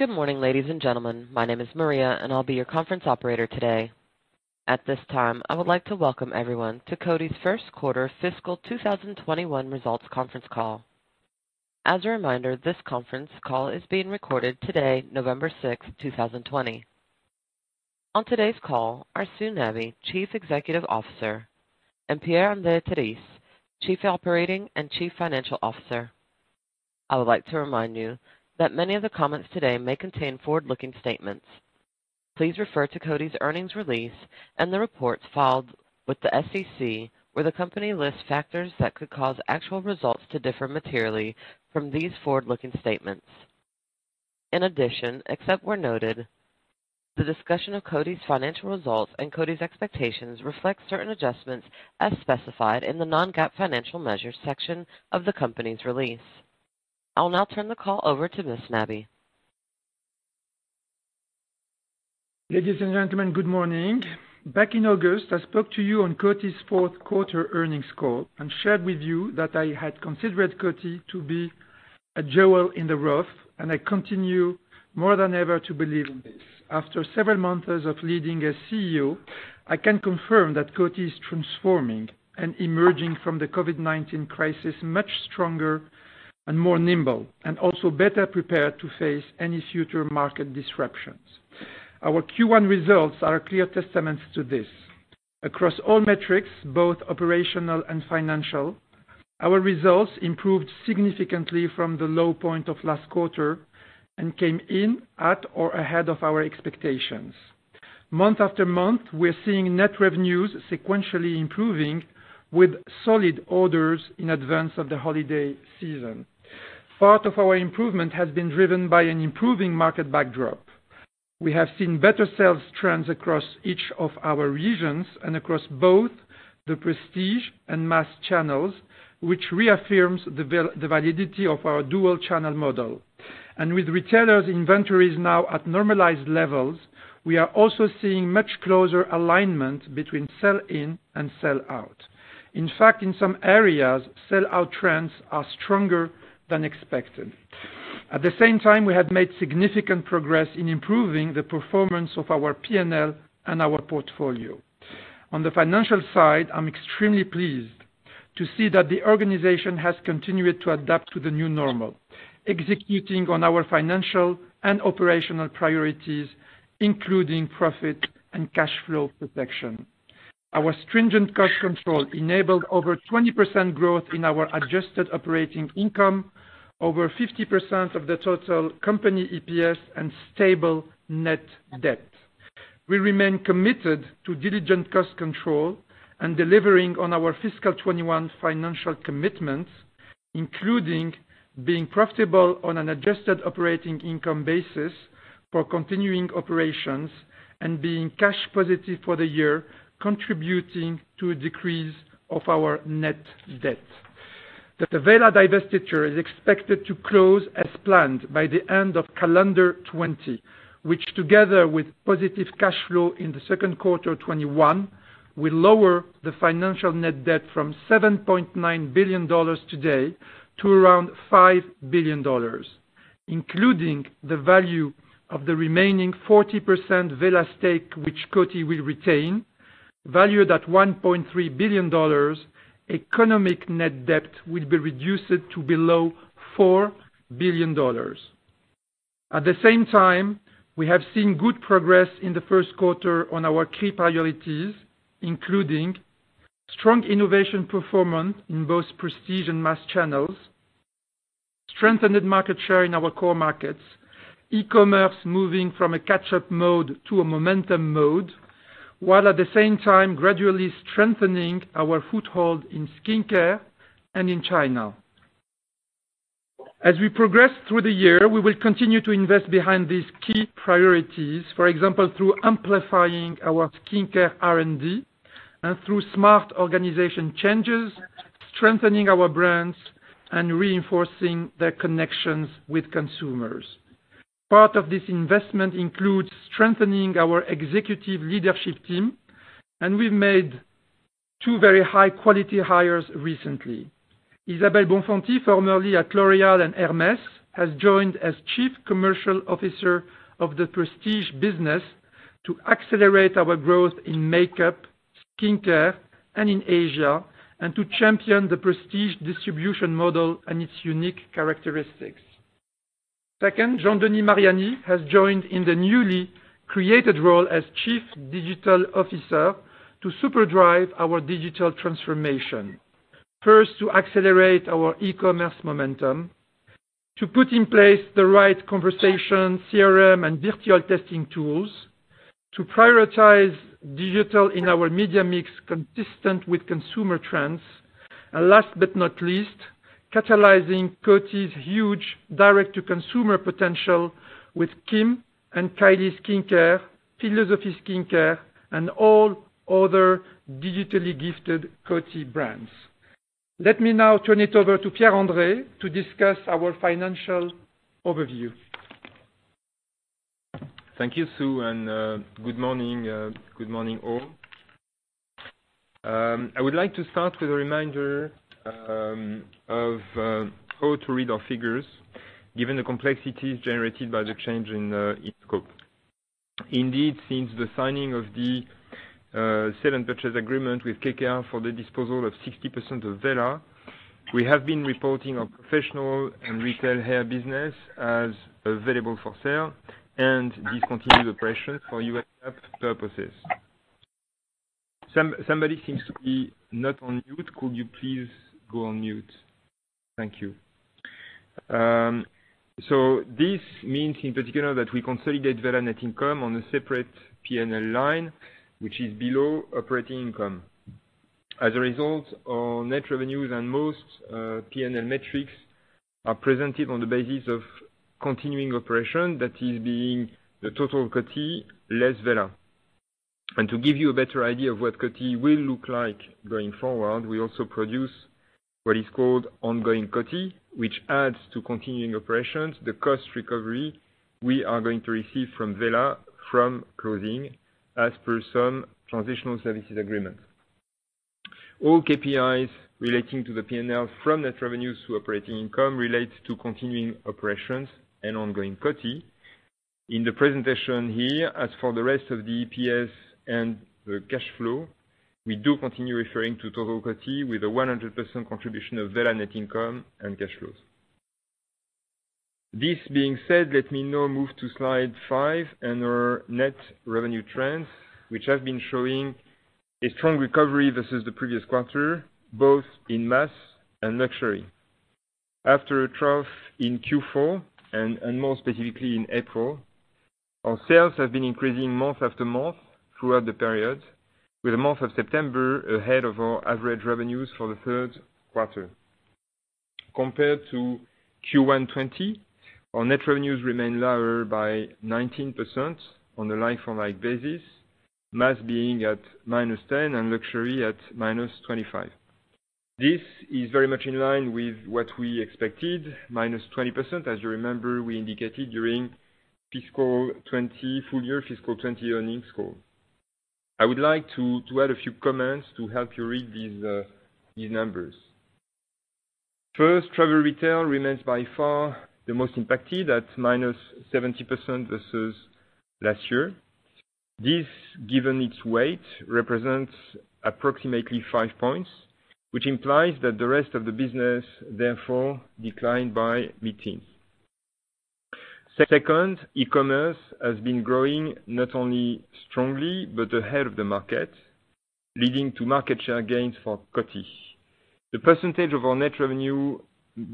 Good morning, ladies and gentlemen. My name is Maria, and I'll be your conference operator today. At this time, I would like to welcome everyone to Coty's first quarter fiscal 2021 results conference call. As a reminder, this conference call is being recorded today, November 6th, 2020. On today's call are Sue Nabi, Chief Executive Officer, and Pierre-André Térisse, Chief Operating Officer and Chief Financial Officer. I would like to remind you that many of the comments today may contain forward-looking statements. Please refer to Coty's earnings release and the reports filed with the SEC, where the company lists factors that could cause actual results to differ materially from these forward-looking statements. In addition, except where noted, the discussion of Coty's financial results and Coty's expectations reflects certain adjustments as specified in the non-GAAP financial measures section of the company's release. I'll now turn the call over to Ms. Nabi. Ladies and gentlemen, good morning. Back in August, I spoke to you on Coty's fourth quarter earnings call and shared with you that I had considered Coty to be a jewel in the rough, and I continue more than ever to believe in this. After several months of leading as CEO, I can confirm that Coty is transforming and emerging from the COVID-19 crisis much stronger and nimbler, and also better prepared to face any future market disruptions. Our Q1 results are a clear testament to this. Across all metrics, both operational and financial, our results improved significantly from the low point of last quarter and came in at or ahead of our expectations. Month after month, we are seeing net revenues sequentially improving with solid orders in advance of the holiday season. Part of our improvement has been driven by an improving market backdrop. We have seen better sales trends across each of our regions and across both the Prestige and Mass channels, which reaffirms the validity of our dual-channel model. With retailers' inventories now at normalized levels, we are also seeing much closer alignment between sell-in and sell-out. In fact, in some areas, sell-out trends are stronger than expected. At the same time, we have made significant progress in improving the performance of our P&L and our portfolio. On the financial side, I'm extremely pleased to see that the organization has continued to adapt to the new normal, executing on our financial and operational priorities, including profit and cash flow protection. Our stringent cost control enabled over 20% growth in our adjusted operating income, over 50% of the total company EPS, and stable net debt. We remain committed to diligent cost control and delivering on our fiscal 2021 financial commitments, including being profitable on an adjusted operating income basis for continuing operations and being cash positive for the year, contributing to a decrease in our net debt. The Wella divestiture is expected to close as planned by the end of calendar 2020, which, together with positive cash flow in the second quarter of 2021, will lower the financial net debt from $7.9 billion today to around $5 billion. Including the value of the remaining 40% Wella stake, which Coty will retain, valued at $1.3 billion, economic net debt will be reduced to below $4 billion. At the same time, we have seen good progress in the first quarter on our key priorities, including strong innovation performance in both Prestige and Mass channels, strengthened market share in our core markets, e-commerce moving from a catch-up mode to a momentum mode, while at the same time, gradually strengthening our foothold in skincare and in China. As we progress through the year, we will continue to invest behind these key priorities, for example, through amplifying our skincare R&D and through smart organization changes, strengthening our brands, and reinforcing their connections with consumers. Part of this investment includes strengthening our executive leadership team, and we've made two very high-quality hires recently. Isabelle Bonfanti, formerly at L'Oréal and Hermès, has joined as Chief Commercial Officer of the prestige business to accelerate our growth in makeup, skincare, and in Asia, and to champion the prestige distribution model and its unique characteristics. Second, Jean-Denis Mariani has joined in the newly created role as Chief Digital Officer to supercharge our digital transformation. First, to accelerate our e-commerce momentum, to put in place the right conversational CRM and virtual testing tools, to prioritize digital in our media mix consistent with consumer trends, and last but not least, to catalyze Coty's huge direct-to-consumer potential with SKKN BY KIM and Kylie Skin, philosophy skincare, and all other digitally gifted Coty brands. Let me now turn it over to Pierre-André to discuss our financial overview. Thank you, Sue, and good morning, all. I would like to start with a reminder of how to read our figures, given the complexities generated by the change in scope. Since the signing of the sale and purchase agreement with KKR for the disposal of 60% of Wella, we have been reporting our Professional and Retail Hair business as available for sale, and discontinued operations for U.S. GAAP purposes. Someone seems not to be on mute. Could you please go on mute? Thank you. This means, in particular, that we consolidate Wella's net income on a separate P&L line, which is below operating income. As a result, our net revenues and most P&L metrics are presented on the basis of continuing operation, that is being the total of Coty, less Wella. To give you a better idea of what Coty will look like going forward, we also produce what is called ongoing Coty, which adds to continuing operations, the cost recovery we are going to receive from Wella from closing as per some transitional services agreement. All KPIs relating to the P&L—from net revenues to operating income, related to continuing operations and ongoing Coty—in the presentation here, as for the rest of the EPS and the cash flow, we do continue referring to total Coty with a 100% contribution of Wella's net income and cash flows. This being said, let me now move to slide five and our net revenue trends, which have been showing a strong recovery versus the previous quarter, both in Mass and Prestige. After a trough in Q4, and more specifically in April, our sales have been increasing month after month throughout the period, with the month of September ahead of our average revenues for the third quarter. Compared to Q1 2020, our net revenues remain lower by 19% on a like-for-like basis, Mass being at -10% and luxury at -25%. This is very much in line with what we expected, -20%, as you remember we indicated during full year fiscal 2020 earnings call. I would like to add a few comments to help you read these numbers. First, travel retail remains by far the most impacted at -70% versus last year. This, given its weight, represents approximately 5 points, which implies that the rest of the business therefore declined by mid-teens. E-commerce has been growing not only strongly, but ahead of the market, leading to market share gains for Coty. The percentage of our net revenue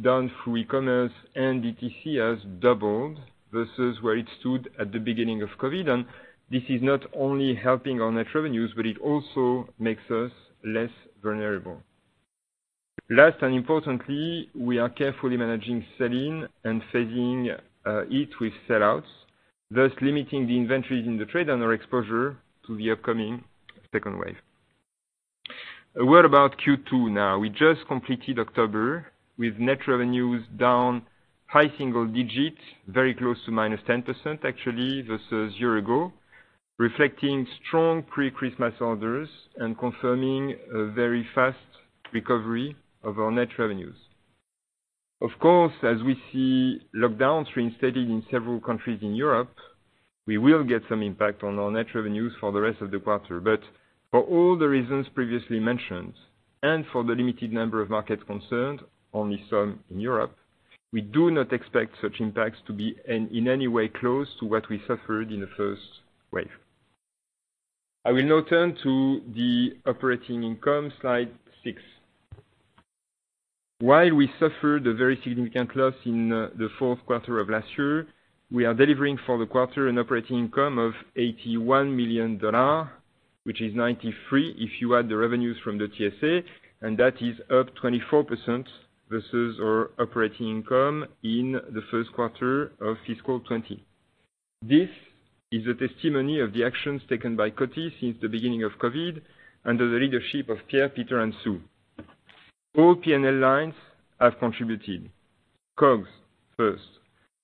down through e-commerce and DTC has doubled versus where it stood at the beginning of COVID. This is not only helping our net revenues, but it also makes us less vulnerable. Last, and importantly, we are carefully managing sell-in and phasing it with sell-outs, thus limiting the inventories in the trade and our exposure to the upcoming second wave. A word about Q2 now. We just completed October with net revenues down high single digits, very close to minus 10%, actually, versus a year ago, reflecting strong pre-Christmas orders and confirming a very fast recovery of our net revenues. Of course, as we see lockdowns reinstated in several countries in Europe, we will get some impact on our net revenues for the rest of the quarter. For all the reasons previously mentioned, and for the limited number of markets concerned, only some in Europe, we do not expect such impacts to be in any way close to what we suffered in the first wave. I will now turn to the operating income, slide six. While we suffered a very significant loss in the fourth quarter of last year, we are delivering for the quarter an operating income of $81 million, which is $93 million if you add the revenues from the TSA, and that is up 24% versus our operating income in the first quarter of fiscal 2020. This is a testimony of the actions taken by Coty since the beginning of COVID-19 under the leadership of Pierre, Peter, and Sue. All P&L lines have contributed. COGS first.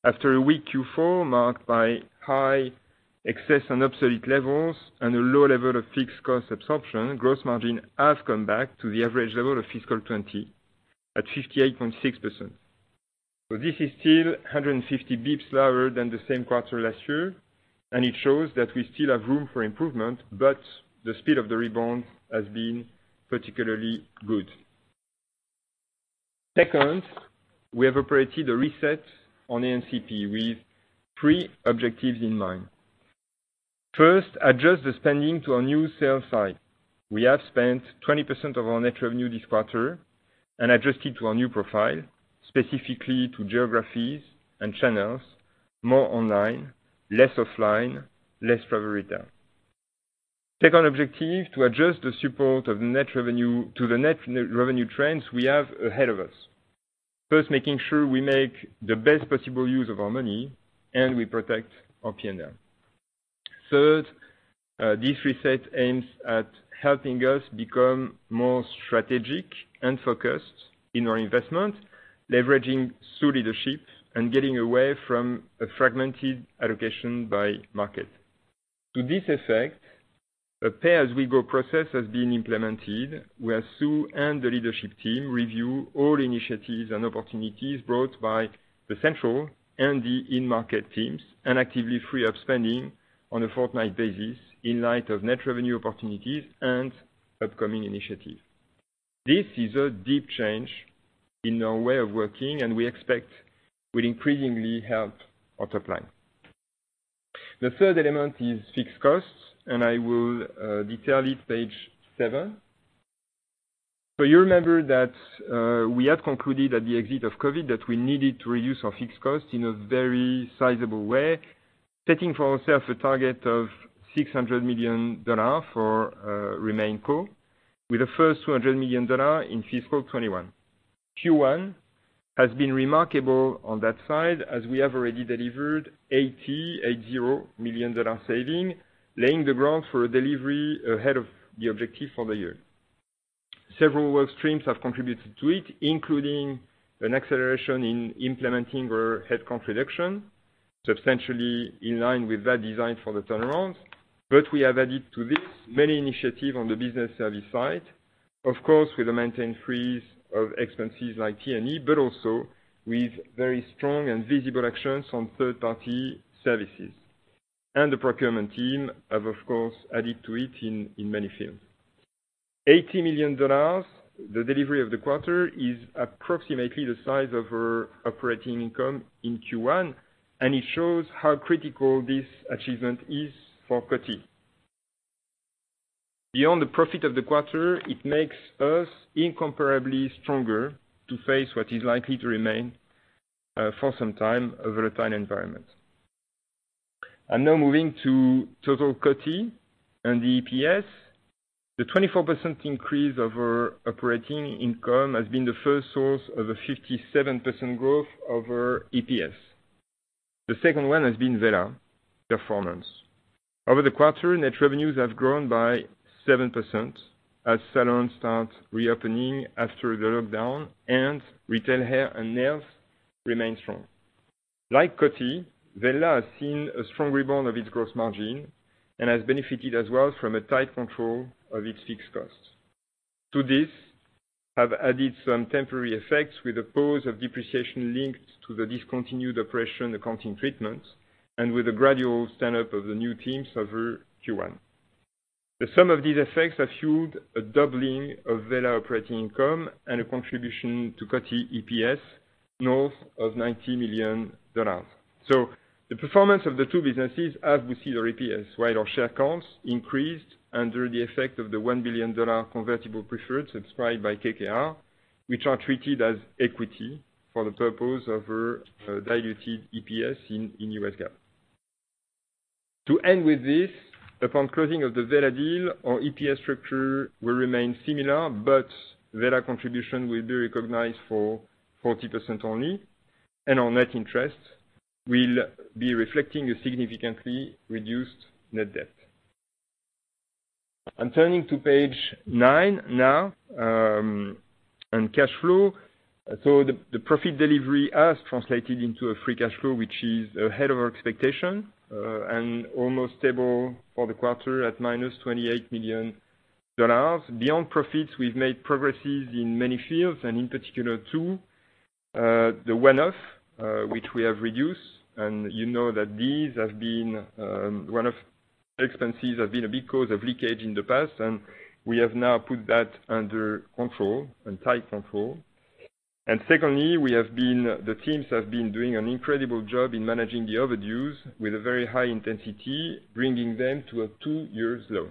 After a weak Q4 marked by high excess and obsolete levels and a low level of fixed cost absorption, gross margin has come back to the average level of fiscal 2020 at 58.6%. This is still 150 bps lower than the same quarter last year; it shows that we still have room for improvement, but the speed of the rebound has been particularly good. Second, we have operated a reset on A&P with three objectives in mind. First, adjust the spending to our new sales side. We have spent 20% of our net revenue this quarter, adjusted to our new profile, specifically to geographies and channels, more online, less offline, less travel retail. Second objective, to adjust the support of the net revenue to the net revenue trends we have ahead of us. First, making sure we make the best possible use of our money and we protect our P&L. Third, this reset aims at helping us become more strategic and focused in our investment, leveraging Sue's leadership, and getting away from a fragmented allocation by market. To this effect, a pay-as-we-go process has been implemented, where Sue and the leadership team review all initiatives and opportunities brought by the central and the in-market teams, and actively free up spending on a fortnight basis in light of net revenue opportunities and upcoming initiatives. This is a deep change in our way of working, and we expect it will increasingly help our top line. The third element is fixed costs, and I will detail it on page seven. You remember that we had concluded at the exit of COVID that we needed to reduce our fixed costs in a very sizable way, setting for ourselves a target of $600 million for RemainCo, with the first $200 million in fiscal 2021. Q1 has been remarkable on that side, as we have already delivered $80 million in savings, laying the ground for a delivery ahead of the objective for the year. Several work streams have contributed to it, including an acceleration in implementing our headcount reduction, substantially in line with that design for the turnaround. We have added to this many initiatives on the business service side. Of course, with a maintained freeze of expenses like T&E, but also with very strong and visible actions on third-party services. The procurement team has, of course, added to it in many fields. $80 million, the delivery of the quarter is approximately the size of our operating income in Q1, and it shows how critical this achievement is for Coty. Beyond the profit of the quarter, it makes us incomparably stronger to face what is likely to remain, for some time, a volatile environment. Now moving to total Coty and EPS. The 24% increase in our operating income has been the first source of a 57% growth in our EPS. The second one has been Wella's performance. Over the quarter, net revenues have grown by 7%, as salons start reopening after the lockdown, and Retail Hair and nails remain strong. Like Coty, Wella has seen a strong rebound of its gross margin and has benefited as well from a tight control of its fixed costs. To this, we have added some temporary effects with a pause in depreciation linked to the discontinued operation accounting treatments, and with a gradual stand-up of the new teams over Q1. The sum of these effects has fueled a doubling of Wella's operating income and a contribution to Coty EPS north of $90 million. The performance of the two businesses have boosted our EPS, while our share counts increased under the effect of the $1 billion convertible preferred subscribed by KKR, which are treated as equity for the purpose of our diluted EPS in U.S. GAAP. To end with this, upon closing of the Wella deal, our EPS structure will remain similar, but Wella's contribution will be recognized for 40% only, and our net interest will reflect a significantly reduced net debt. I am turning to page nine now, on cash flow. The profit delivery has translated into a free cash flow, which is ahead of our expectation, and almost stable for the quarter at -$28 million. Beyond profits, we've made progress in many fields, and in particular, two. The one-off, which we have reduced, and you know that these have been one-off expenses, has been a big cause of leakage in the past, and we have now put that under control and tight control. Secondly, the teams have been doing an incredible job in managing the overdues with a very high intensity, bringing them to a two-year low.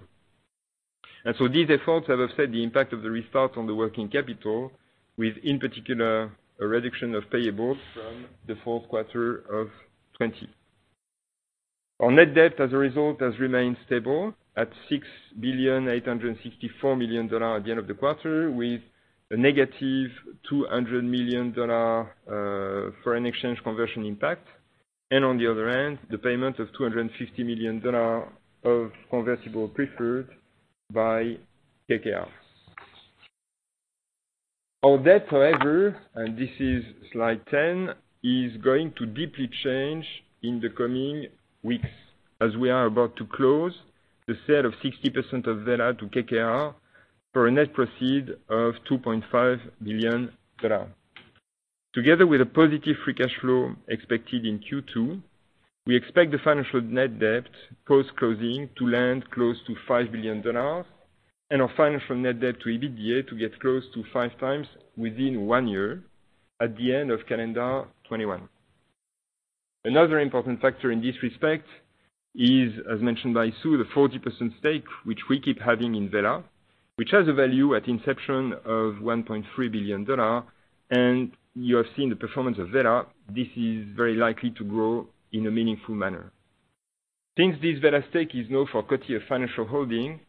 These efforts have offset the impact of the restart on the working capital, with, in particular, a reduction of payables from the fourth quarter of 2020. Our net debt, as a result, has remained stable at $7.864 billion at the end of the quarter, with a -$200 million foreign exchange conversion impact. On the other hand, the payment of $250 million of convertible preferred by KKR. Our debt, however, and this is slide 10, is going to change deeply in the coming weeks, as we are about to close the sale of 60% of Wella to KKR for net proceeds of $2.5 billion. Together with a positive free cash flow expected in Q2, we expect the financial net debt post-closing to land close to $5 billion, and our financial net debt-to-EBITDA to get close to five times within one year at the end of calendar 2021. Another important factor in this respect is, as mentioned by Sue, the 40% stake which we keep having in Wella, which has a value at inception of $1.3 billion, and you have seen the performance of Wella. This is very likely to grow in a meaningful manner. Since this Wella stake is now for Coty a financial holding,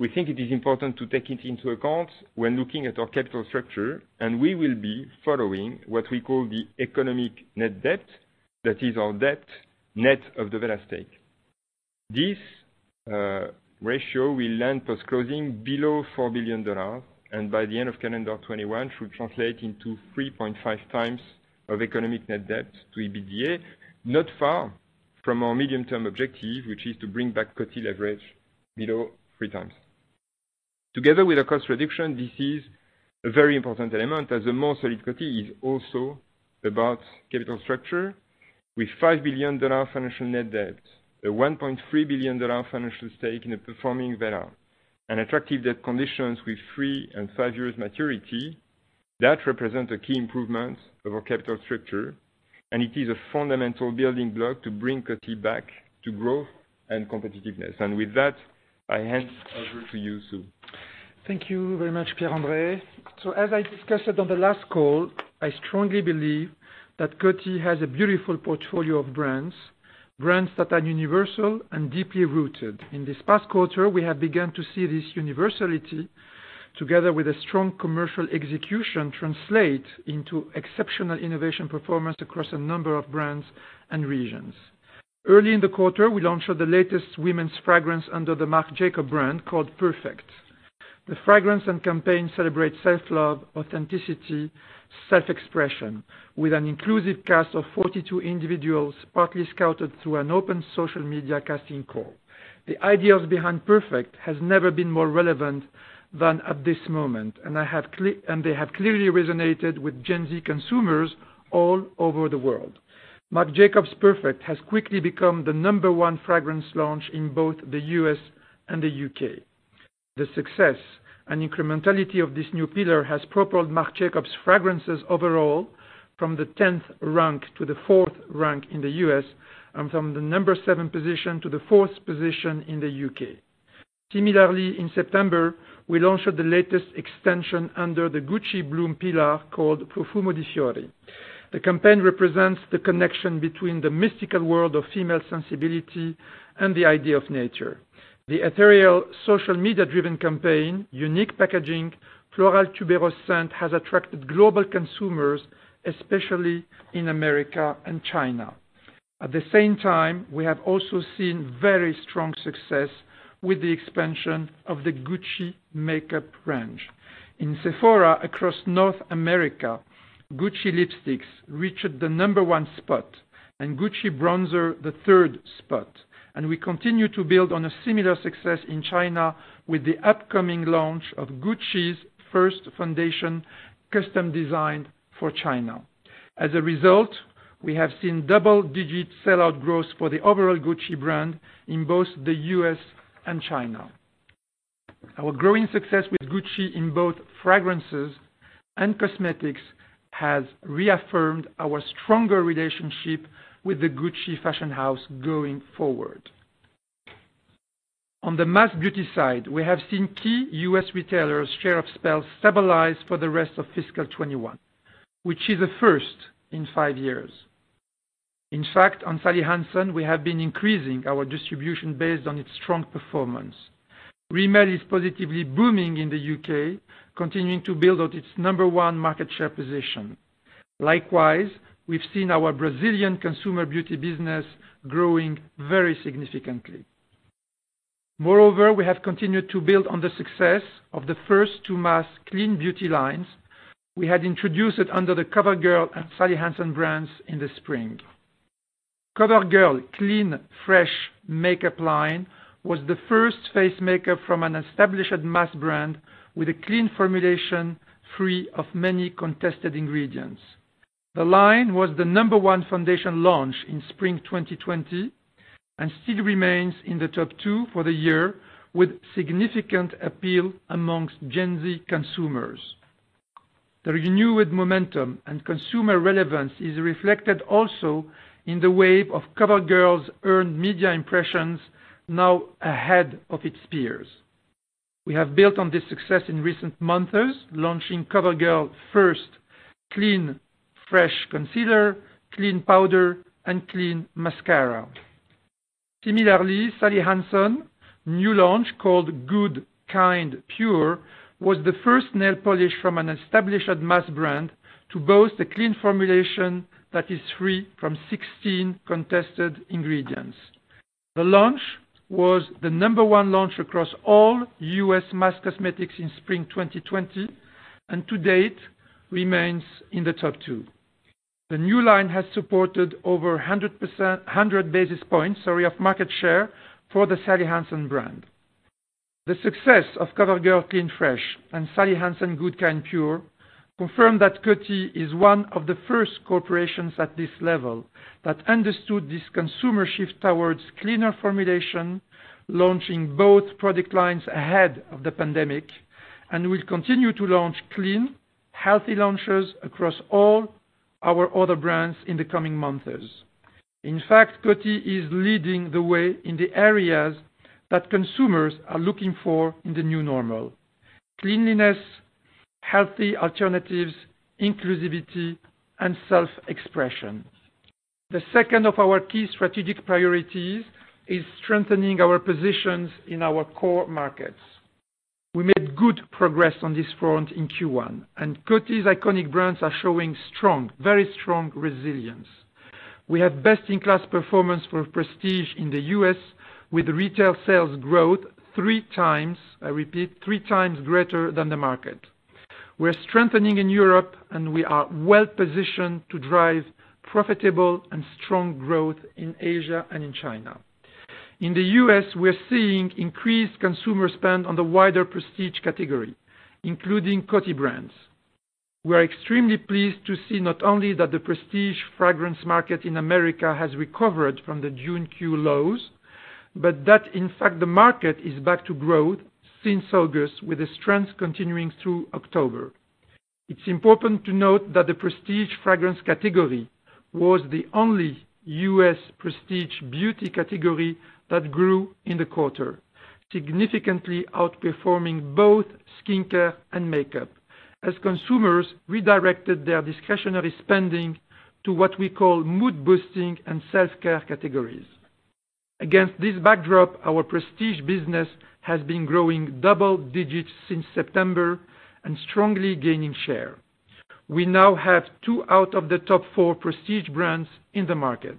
we think it is important to take it into account when looking at our capital structure, and we will be following what we call the economic net debt. That is our debt net of the Wella stake. This ratio will land post-closing below $4 billion, and by the end of calendar 2021, should translate into 3.5x of economic net debt-to-EBITDA, not far from our medium-term objective, which is to bring back Coty's leverage below 3x. Together with our cost reduction, this is a very important element as a more solid Coty is also about capital structure with $5 billion financial net debt, a $1.3 billion financial stake in a well-performing Wella, and attractive debt conditions with three and five-year maturities. These represent a key improvement of our capital structure, and it is a fundamental building block to bring Coty back to growth and competitiveness. With that, I hand over to you, Sue. Thank you very much, Pierre-André. As I discussed on the last call, I strongly believe that Coty has a beautiful portfolio of brands that are universal and deeply rooted. In this past quarter, we have begun to see this universality, together with a strong commercial execution, translate into exceptional innovation performance across a number of brands and regions. Early in the quarter, we launched the latest women's fragrance under the Marc Jacobs brand called Perfect. The fragrance and campaign celebrate self-love, authenticity, and self-expression with an inclusive cast of 42 individuals, partly scouted through an open social media casting call. The ideas behind Perfect have never been more relevant than at this moment, and they have clearly resonated with Gen Z consumers all over the world. Marc Jacobs Perfect has quickly become the number one fragrance launch in both the U.S. and the U.K. The success and incrementality of this new pillar have propelled Marc Jacobs fragrances overall from the 10th rank to the fourth rank in the U.S. and from the seventh position to the fourth position in the U.K. Similarly, in September, we launched the latest extension under the Gucci Bloom pillar called Profumo di Fiori. The campaign represents the connection between the mystical world of female sensibility and the idea of nature. The ethereal social media-driven campaign, unique packaging, and floral tuberose scent have attracted global consumers, especially in America and China. At the same time, we have also seen very strong success with the expansion of the Gucci makeup range. In Sephora across North America, Gucci lipsticks reached the number one spot, Gucci bronzer the third spot. We continue to build on a similar success in China with the upcoming launch of Gucci's first foundation custom-designed for China. As a result, we have seen double-digit sell-out growth for the overall Gucci brand in both the U.S. and China. Our growing success with Gucci in both fragrances and cosmetics has reaffirmed our stronger relationship with the Gucci Fashion House going forward. On the mass beauty side, we have seen key U.S. retailers' share of sales stabilize for the rest of fiscal 2021, which is a first in five years. In fact, on Sally Hansen, we have been increasing our distribution based on its strong performance. Rimmel is positively booming in the U.K., continuing to build out its number one market share position. Likewise, we've seen our Brazilian consumer beauty business growing very significantly. Moreover, we have continued to build on the success of the first two mass clean beauty lines we introduced under the COVERGIRL and Sally Hansen brands in the spring. COVERGIRL Clean Fresh makeup line was the first face makeup from an established mass brand with a clean formulation, free of many contested ingredients. The line was the number one foundation launch in spring 2020, and still remains in the top two for the year, with significant appeal amongst Gen Z consumers. The renewed momentum and consumer relevance is reflected also in the wave of COVERGIRL's earned media impressions now ahead of its peers. We have built on this success in recent months, launching COVERGIRL's first Clean Fresh concealer, clean powder, and clean mascara. Similarly, Sally Hansen's new launch, called Good. Kind. Pure. was the first nail polish from an established mass brand to boast a clean formulation that is free from 16 contested ingredients. The launch was the number one launch across all U.S. mass cosmetics in spring 2020, and to date remains in the top two. The new line has supported over 100 basis points of market share for the Sally Hansen brand. The success of COVERGIRL Clean Fresh and Sally Hansen's Good. Kind. Pure. confirmed that Coty is one of the first corporations at this level that understood this consumer shift towards cleaner formulation, launching both product lines ahead of the pandemic, and will continue to launch clean, health-focused launches across all our other brands in the coming months. In fact, Coty is leading the way in the areas that consumers are looking for in the new normal: cleanliness, healthy alternatives, inclusivity, and self-expression. The second of our key strategic priorities is strengthening our positions in our core markets. We made good progress on this front in Q1, and Coty's iconic brands are showing strong, very strong resilience. We have best-in-class performance for Prestige in the U.S. with retail sales growth three times, I repeat, three times greater than the market. We're strengthening in Europe, and we are well-positioned to drive profitable and strong growth in Asia and in China. In the U.S., we're seeing increased consumer spend on the wider Prestige category, including Coty brands. We're extremely pleased to see not only that the prestige fragrance market in America has recovered from the June quarter lows, but that in fact the market is back to growth since August, with the trends continuing through October. It's important to note that the prestige fragrance category was the only U.S. Prestige beauty category that grew in the quarter, significantly outperforming both Skin Care and Makeup as consumers redirected their discretionary spending to what we call mood-boosting and self-care categories. Against this backdrop, our Prestige business has been growing double digits since September and strongly gaining share. We now have two out of the top four prestige brands in the market.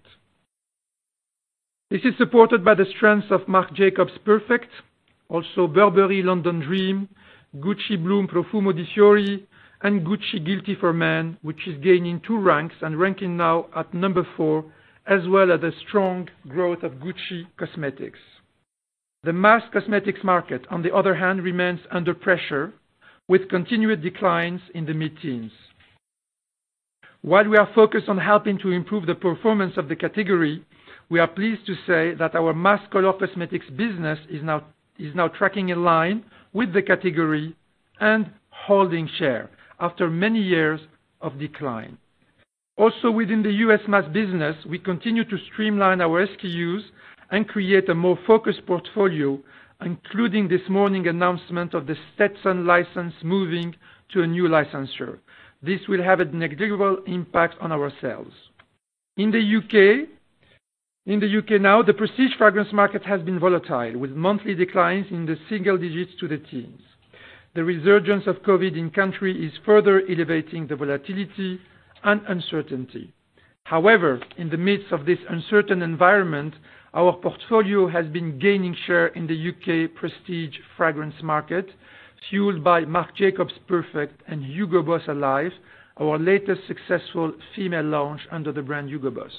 This is supported by the strength of Marc Jacobs Perfect, also Burberry Her London Dream, Gucci Bloom Profumo di Fiori, and Gucci Guilty for Men, which is gaining two ranks and ranking now at number four, as well as the strong growth of Gucci cosmetics. The mass cosmetics market, on the other hand, remains under pressure, with continued declines in the mid-teens. While we are focused on helping to improve the performance of the category, we are pleased to say that our mass color cosmetics business is now tracking in line with the category and holding share after many years of decline. Within the U.S. mass business, we continue to streamline our SKUs and create a more focused portfolio, including this morning's announcement of the Stetson license moving to a new licensor. This will have a negligible impact on our sales. In the U.K. now, the prestige fragrance market has been volatile, with monthly declines in the single digits to the teens. The resurgence of COVID-19 in the country is further elevating the volatility and uncertainty. However, in the midst of this uncertain environment, our portfolio has been gaining share in the U.K. prestige fragrance market, fueled by Marc Jacobs Perfect and Hugo Boss Alive, our latest successful female launch under the brand Hugo Boss.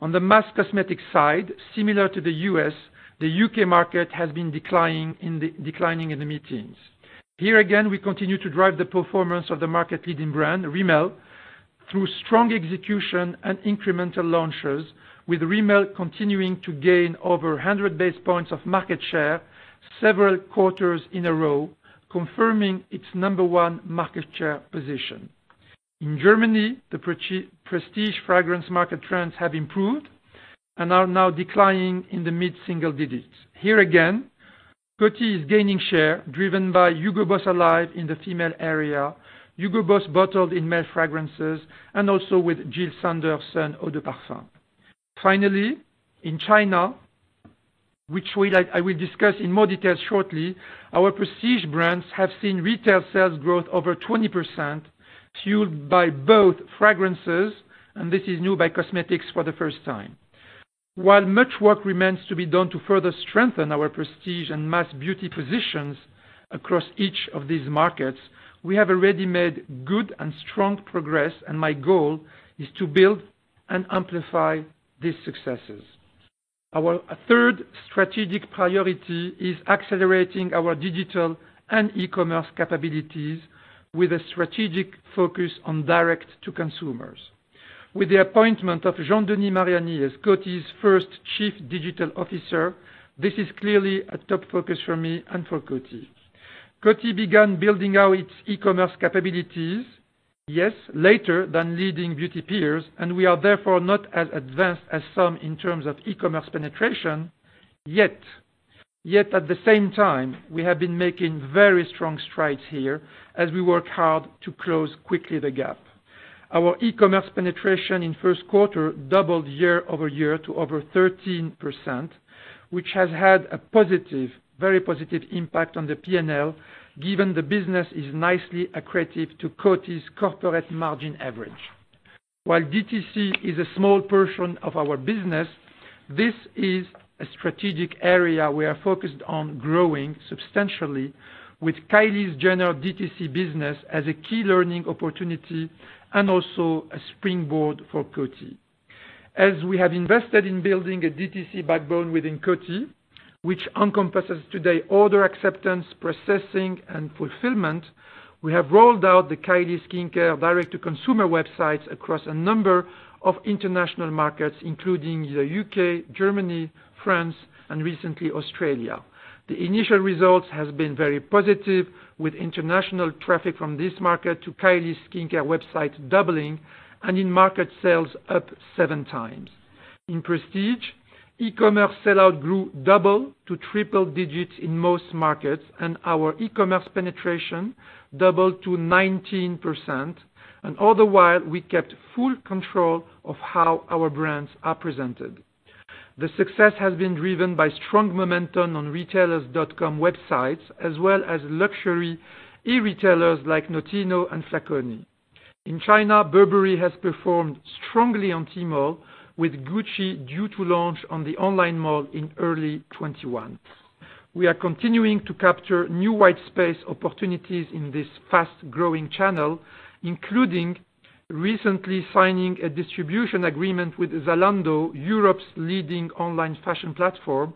On the mass cosmetics side, similar to the U.S., the U.K. market has been declining in the mid-teens. Here again, we continue to drive the performance of the market-leading brand, Rimmel, through strong execution and incremental launches, with Rimmel continuing to gain over 100 basis points of market share several quarters in a row, confirming its number one market share position. In Germany, the prestige fragrance market trends have improved and are now declining in the mid-single digits. Here again, Coty is gaining share driven by Hugo Boss Alive in the female area, Hugo Boss Bottled in male fragrances, and also with Jil Sander Sun Eau de Parfum. Finally, in China, which I will discuss in more detail shortly, our prestige brands have seen retail sales growth over 20%, fueled by both fragrances, and this is new, by cosmetics for the first time. While much work remains to be done to further strengthen our prestige and mass beauty positions across each of these markets, we have already made good and strong progress, and my goal is to build and amplify these successes. Our third strategic priority is accelerating our digital and e-commerce capabilities with a strategic focus on direct-to-consumer. With the appointment of Jean-Denis Mariani as Coty's first Chief Digital Officer, this is clearly a top focus for me and for Coty. Coty began building out its e-commerce capabilities, yes, later than leading beauty peers, and we are therefore not as advanced as some in terms of e-commerce penetration. At the same time, we have been making very strong strides here as we work hard to close quickly the gap. Our e-commerce penetration in the first quarter doubled year-over-year to over 13%, which has had a very positive impact on the P&L, given that the business is nicely accretive to Coty's corporate margin average. While DTC is a small portion of our business, this is a strategic area we are focused on growing substantially with Kylie Jenner's DTC business as a key learning opportunity and also a springboard for Coty. As we have invested in building a DTC backbone within Coty, which encompasses today's order acceptance, processing, and fulfillment, we have rolled out the Kylie Skin direct-to-consumer websites across a number of international markets, including the U.K., Germany, France, and recently Australia. The initial results have been very positive, with international traffic from this market to Kylie Skin website doubling and in-market sales up seven times. In Prestige, e-commerce sellout grew from double to triple digits in most markets, and our e-commerce penetration doubled to 19%, and all the while, we kept full control of how our brands are presented. The success has been driven by strong momentum on retailers' websites, as well as luxury e-retailers like Notino and Flaconi. In China, Burberry has performed strongly on Tmall, with Gucci due to launch on the online mall in early 2021. We are continuing to capture new whitespace opportunities in this fast-growing channel, including recently signing a distribution agreement with Zalando, Europe's leading online fashion platform,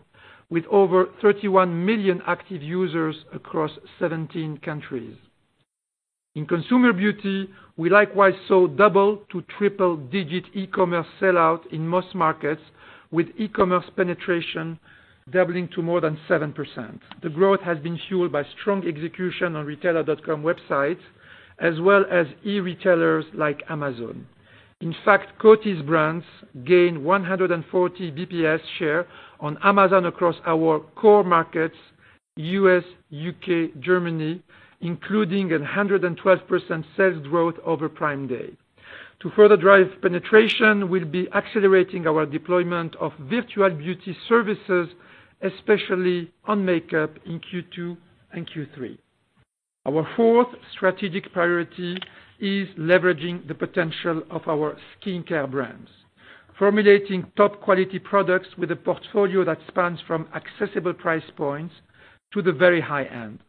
with over 31 million active users across 17 countries. In consumer beauty, we likewise saw double to triple-digit e-commerce sell-out in most markets, with e-commerce penetration doubling to more than 7%. The growth has been fueled by strong execution on retailers' websites as well as e-retailers like Amazon. In fact, Coty's brands gained 140 basis points share on Amazon across our core markets, the U.S., U.K., Germany, including a 112% sales growth over Prime Day. To further drive penetration, we'll be accelerating our deployment of virtual beauty services, especially on makeup, in Q2 and Q3. Our fourth strategic priority is leveraging the potential of our skincare brands. Formulating top-quality products with a portfolio that spans from accessible price points to the very high end.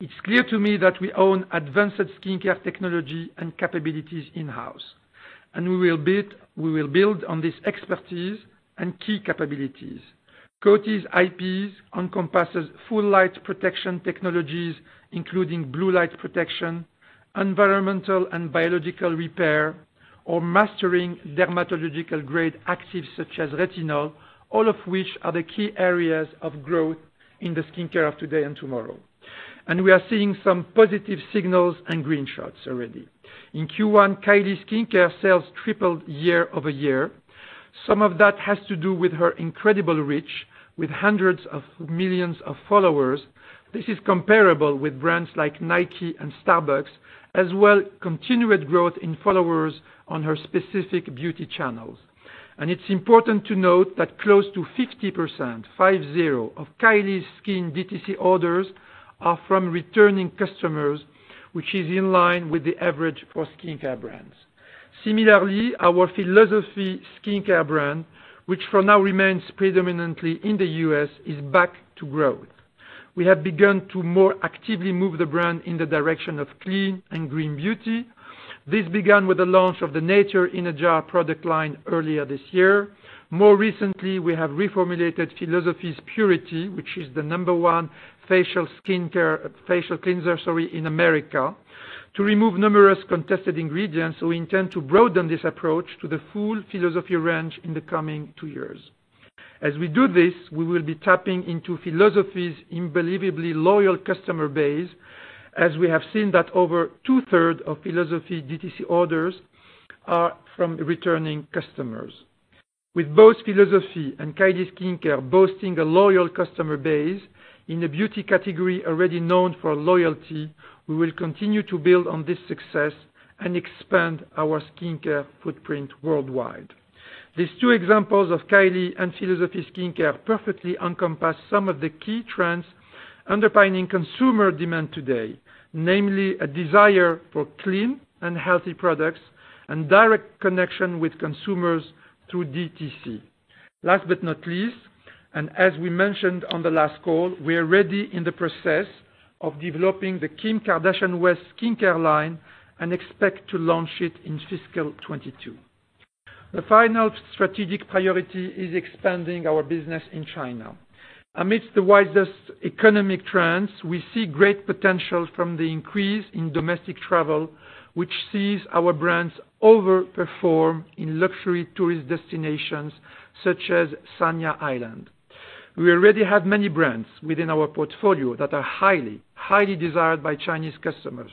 It's clear to me that we own advanced skincare technology and capabilities in-house, and we will build on this expertise and key capabilities. Coty's IPs encompass full light protection technologies, including blue light protection, environmental and biological repair, or mastering dermatological-grade actives such as retinol, all of which are the key areas of growth in the skincare of today and tomorrow. We are seeing some positive signals and green shoots already. In Q1, Kylie Skin skincare sales tripled year-over-year. Some of that has to do with her incredible reach with hundreds of millions of followers. This is comparable with brands like Nike and Starbucks, as well as continued growth in followers on her specific beauty channels. It's important to note that close to 50% of Kylie Skin DTC orders are from returning customers, which is in line with the average for skincare brands. Similarly, our philosophy skincare brand, which for now remains predominantly in the U.S., is back to growth. We have begun to more actively move the brand in the direction of clean and green beauty. This began with the launch of the Nature in a Jar product line earlier this year. More recently, we have reformulated philosophy's Purity, which is the number one facial cleanser in America, to remove numerous contested ingredients. We intend to broaden this approach to the full philosophy range in the coming two years. As we do this, we will be tapping into philosophy's unbelievably loyal customer base, as we have seen that over 2/3 of philosophy DTC orders are from returning customers. With both philosophy and Kylie Skin boasting a loyal customer base in a beauty category already known for loyalty, we will continue to build on this success and expand our skincare footprint worldwide. These two examples of Kylie and philosophy skincare perfectly encompass some of the key trends underpinning consumer demand today, namely a desire for clean and healthy products and a direct connection with consumers through DTC. Last but not least, as we mentioned on the last call, we are already in the process of developing the SKKN BY KIM skincare line and expect to launch it in fiscal 2022. The final strategic priority is expanding our business in China. Amidst the widest economic trends, we see great potential from the increase in domestic travel, which sees our brands overperform in luxury tourist destinations such as Sanya Island. We already have many brands within our portfolio that are highly desired by Chinese customers,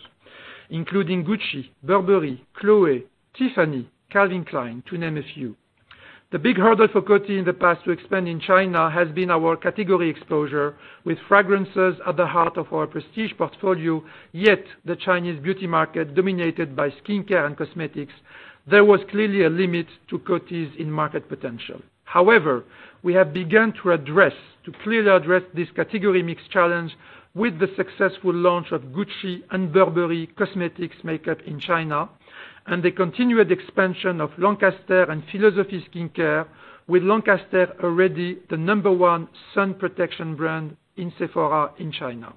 including Gucci, Burberry, Chloé, Tiffany, Calvin Klein, to name a few. The big hurdle for Coty in the past to expand in China has been our category exposure with fragrances at the heart of our Prestige portfolio, yet the Chinese beauty market is dominated by skincare and cosmetics; there was clearly a limit to Coty's market potential. We have begun to clearly address this category mix challenge with the successful launch of Gucci and Burberry cosmetics and makeup in China and the continued expansion of Lancaster and philosophy skincare, with Lancaster already the number one sun protection brand in Sephora in China.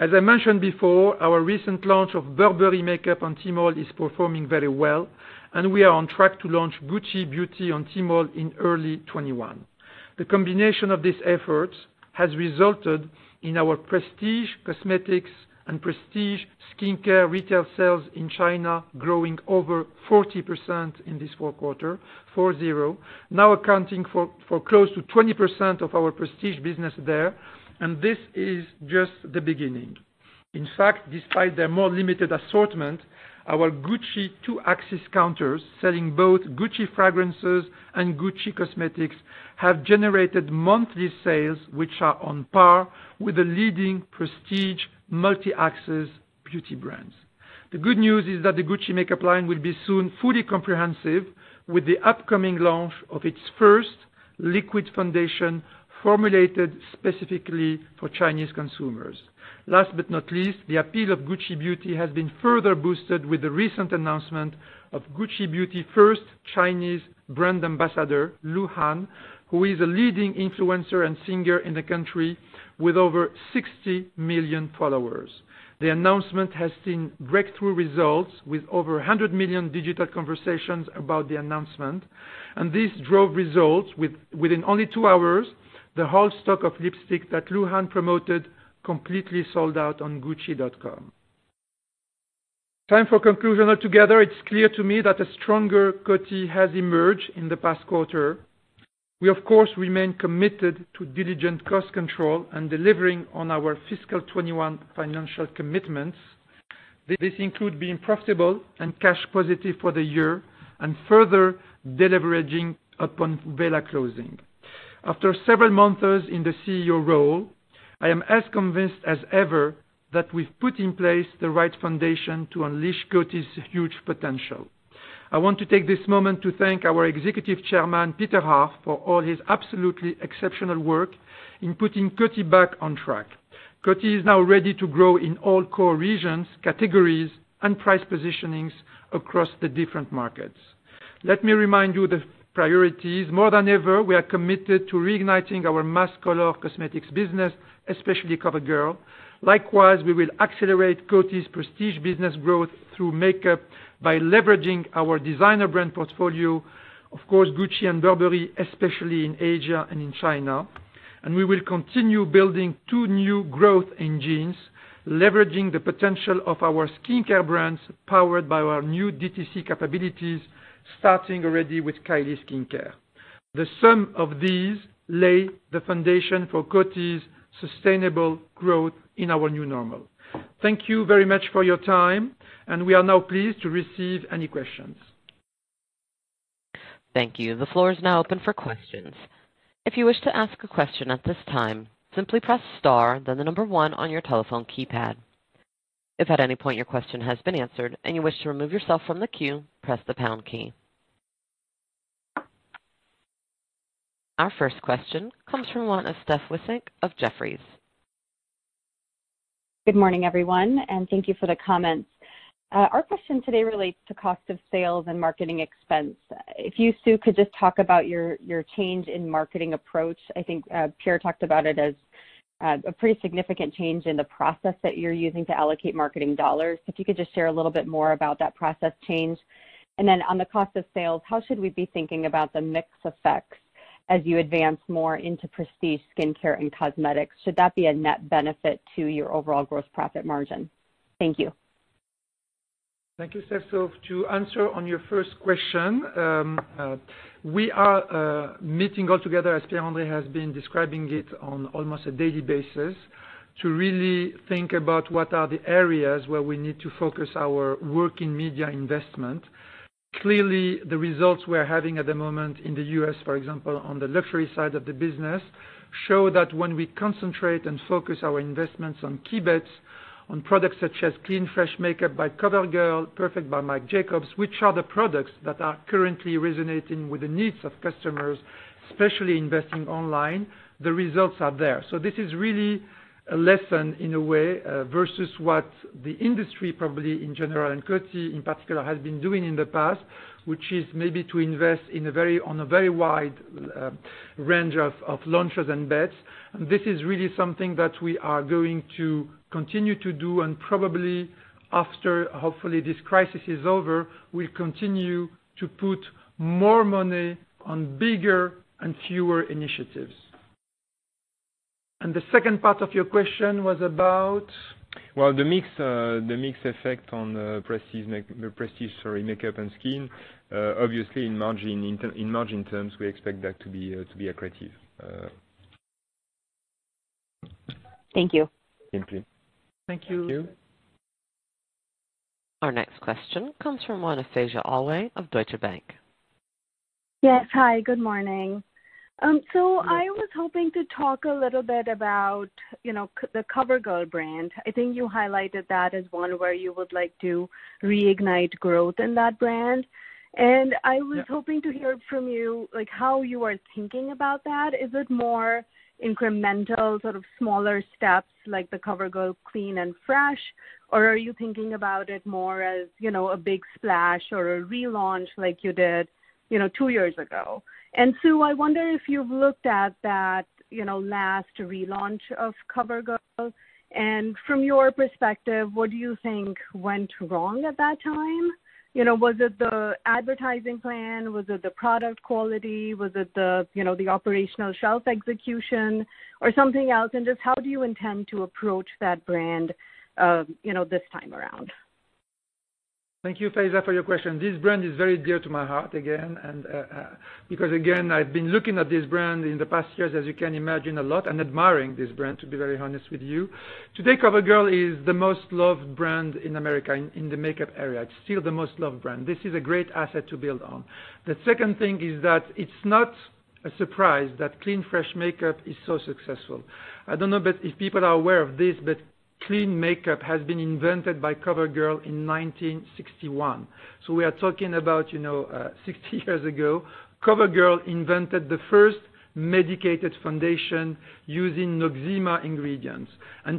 As I mentioned before, our recent launch of Burberry makeup on Tmall is performing very well, and we are on track to launch Gucci Beauty on Tmall in early 2021. The combination of these efforts has resulted in our prestige cosmetics and prestige skincare retail sales in China growing over 40% in this fourth quarter, now accounting for close to 20% of our Prestige business there. This is just the beginning. In fact, despite their more limited assortment, our Gucci two-axis counters selling both Gucci fragrances and Gucci cosmetics have generated monthly sales that are on par with the leading prestige multi-axis beauty brands. The good news is that the Gucci makeup line will soon be fully comprehensive with the upcoming launch of its first liquid foundation, formulated specifically for Chinese consumers. Last but not least, the appeal of Gucci Beauty has been further boosted with the recent announcement of Gucci Beauty's first Chinese brand ambassador, Lu Han, who is a leading influencer and singer in the country with over 60 million followers. The announcement has seen breakthrough results with over 100 million digital conversations about the announcement, and this drove results. Within only two hours, the whole stock of lipsticks that Lu Han promoted completely sold out on gucci.com. Time for the conclusion altogether. It's clear to me that a stronger Coty has emerged in the past quarter. We, of course, remain committed to diligent cost control and delivering on our fiscal 2021 financial commitments. This includes being profitable and cash positive for the year and further deleveraging upon Wella closing. After several months in the CEO role, I am as convinced as ever that we've put in place the right foundation to unleash Coty's huge potential. I want to take this moment to thank our Executive Chairman, Peter Harf, for all his absolutely exceptional work in putting Coty back on track. Coty is now ready to grow in all core regions, categories, and price positionings across the different markets. Let me remind you of the priorities. More than ever, we are committed to reigniting our Mass color cosmetics business, especially COVERGIRL. Likewise, we will accelerate Coty's Prestige business growth through makeup by leveraging our designer brand portfolio, of course, Gucci and Burberry, especially in Asia and in China. We will continue building two new growth engines, leveraging the potential of our skincare brands, powered by our new DTC capabilities, starting already with Kylie Skin. The sum of these lies the foundation for Coty's sustainable growth in our new normal. Thank you very much for your time, and we are now pleased to receive any questions. Thank you. The floor is now open for questions. If you wish to ask a question at this time, simply press star then the number one on your telephone keypad. If at any point your question has been answered and you wish to remove yourself from the queue, press the pound key. Our first question comes from the line of Stephanie Wissink of Jefferies. Good morning, everyone, and thank you for the comments. Our question today relates to the cost of sales and marketing expenses. If you, Sue, could just talk about your change in marketing approach. I think Pierre talked about it as a pretty significant change in the process that you're using to allocate marketing dollars. If you could just share a little bit more about that process change. Then, on the cost of sales, how should we be thinking about the mix effects as you advance more into prestige skincare and cosmetics? Should that be a net benefit to your overall gross profit margin? Thank you. Thank you, Steph. To answer your first question, we are meeting all together, as Pierre-André has been describing it, on almost a daily basis to really think about what the areas are where we need to focus our work in media investment. Clearly, the results we are having at the moment in the U.S., for example, on the luxury side of the business, show that when we concentrate and focus our investments on key bets on products such as Clean Fresh makeup by COVERGIRL, Perfect by Marc Jacobs, which are the products that are currently resonating with the needs of customers, especially investing online, the results are there. This is really a lesson in a way, versus what the industry, in general and Coty in particular, has been doing in the past, which is maybe to invest in a very wide range of launches and bets. This is really something that we are going to continue to do, and probably after, hopefully, this crisis is over, we'll continue to put more money on bigger and fewer initiatives. The second part of your question was about? The mix effect on the prestige, sorry, makeup and skin, obviously in margin terms, we expect that to be accretive. Thank you. Thank you. Thank you. Our next question comes from line of Faiza Alwy of Deutsche Bank. Yes. Hi, good morning. I was hoping to talk a little bit about the COVERGIRL brand. I think you highlighted that as one where you would like to reignite growth in that brand. I was hoping to hear from you about how you are thinking about that. Is it more incremental, sort of smaller steps, like the COVERGIRL Clean Fresh? Or are you thinking about it more as a big splash or a relaunch like you did two years ago? Sue, I wonder if you've looked at that last relaunch of COVERGIRL, and from your perspective, what do you think went wrong at that time? Was it the advertising plan? Was it the product quality? Was it the operational shelf execution or something else? Just how do you intend to approach that brand this time around? Thank you, Faiza, for your question. This brand is very dear to my heart, again, because again, I've been looking at this brand in the past years, as you can imagine, a lot, and admiring this brand, to be very honest with you. Today, COVERGIRL is the most loved brand in America in the makeup area. It's still the most loved brand. This is a great asset to build on. The second thing is that it's not a surprise that Clean Fresh makeup is so successful. I don't know if people are aware of this, but clean makeup was invented by COVERGIRL in 1961. We are talking about 60 years ago, COVERGIRL invented the first medicated foundation using Noxzema ingredients.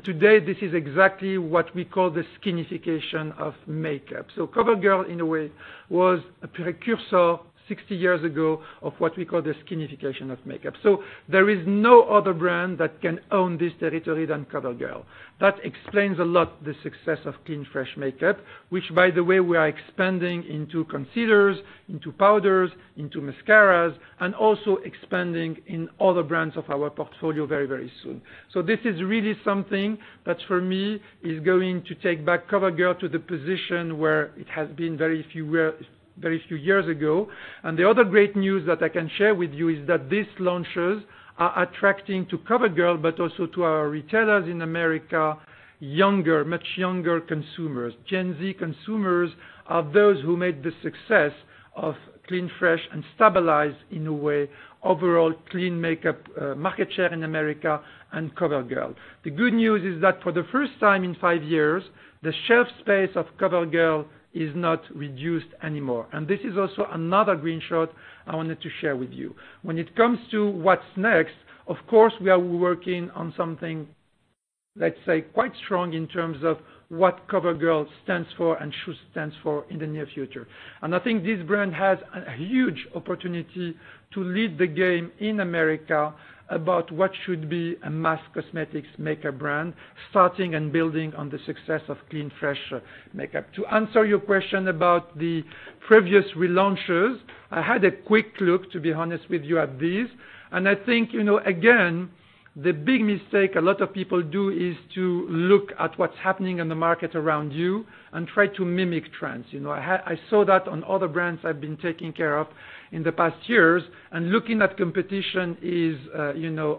Today, this is exactly what we call the skinification of makeup. COVERGIRL, in a way, was a precursor 60 years ago of what we call the skinification of makeup. There is no other brand that can own this territory than COVERGIRL. That explains a lot of the success of Clean Fresh makeup, which, by the way, we are expanding into concealers, powders, and mascaras, and also expanding into other brands of our portfolio very, very soon. This is really something that, for me, is going to take COVERGIRL back to the position it was in a few years ago. The other great news that I can share with you is that these launches are attracting not only COVERGIRL, but also much younger consumers to our retailers in America. Gen Z consumers are those who made the success of Clean Fresh and stabilized in a way overall clean makeup, market share in America and COVERGIRL. The good news is that for the first time in five years, the shelf space of COVERGIRL is not reduced anymore. This is also another green shoot I wanted to share with you. When it comes to what's next, of course, we are working on something, let's say, quite strong in terms of what COVERGIRL stands for and should stand for in the near future. I think this brand has a huge opportunity to lead the game in America about what should be a mass cosmetics makeup brand, starting and building on the success of Clean Fresh makeup. To answer your question about the previous relaunches, I had a quick look, to be honest with you, at these, and I think, again, the big mistake a lot of people do is to look at what's happening in the market around you and try to mimic trends. I saw that on other brands I've been taking care of in the past years. Looking at competition is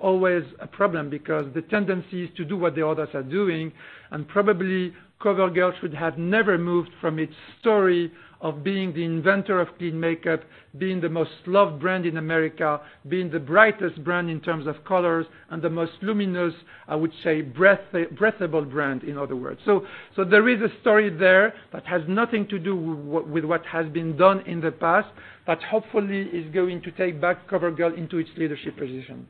always a problem because the tendency is to do what the others are doing. Probably COVERGIRL should have never moved from its story of being the inventor of clean makeup, being the most loved brand in America, being the brightest brand in terms of colors, and the most luminous, I would say breathable brand, in other words. There is a story there that has nothing to do with what has been done in the past, but hopefully is going to take COVERGIRL back into its leadership position.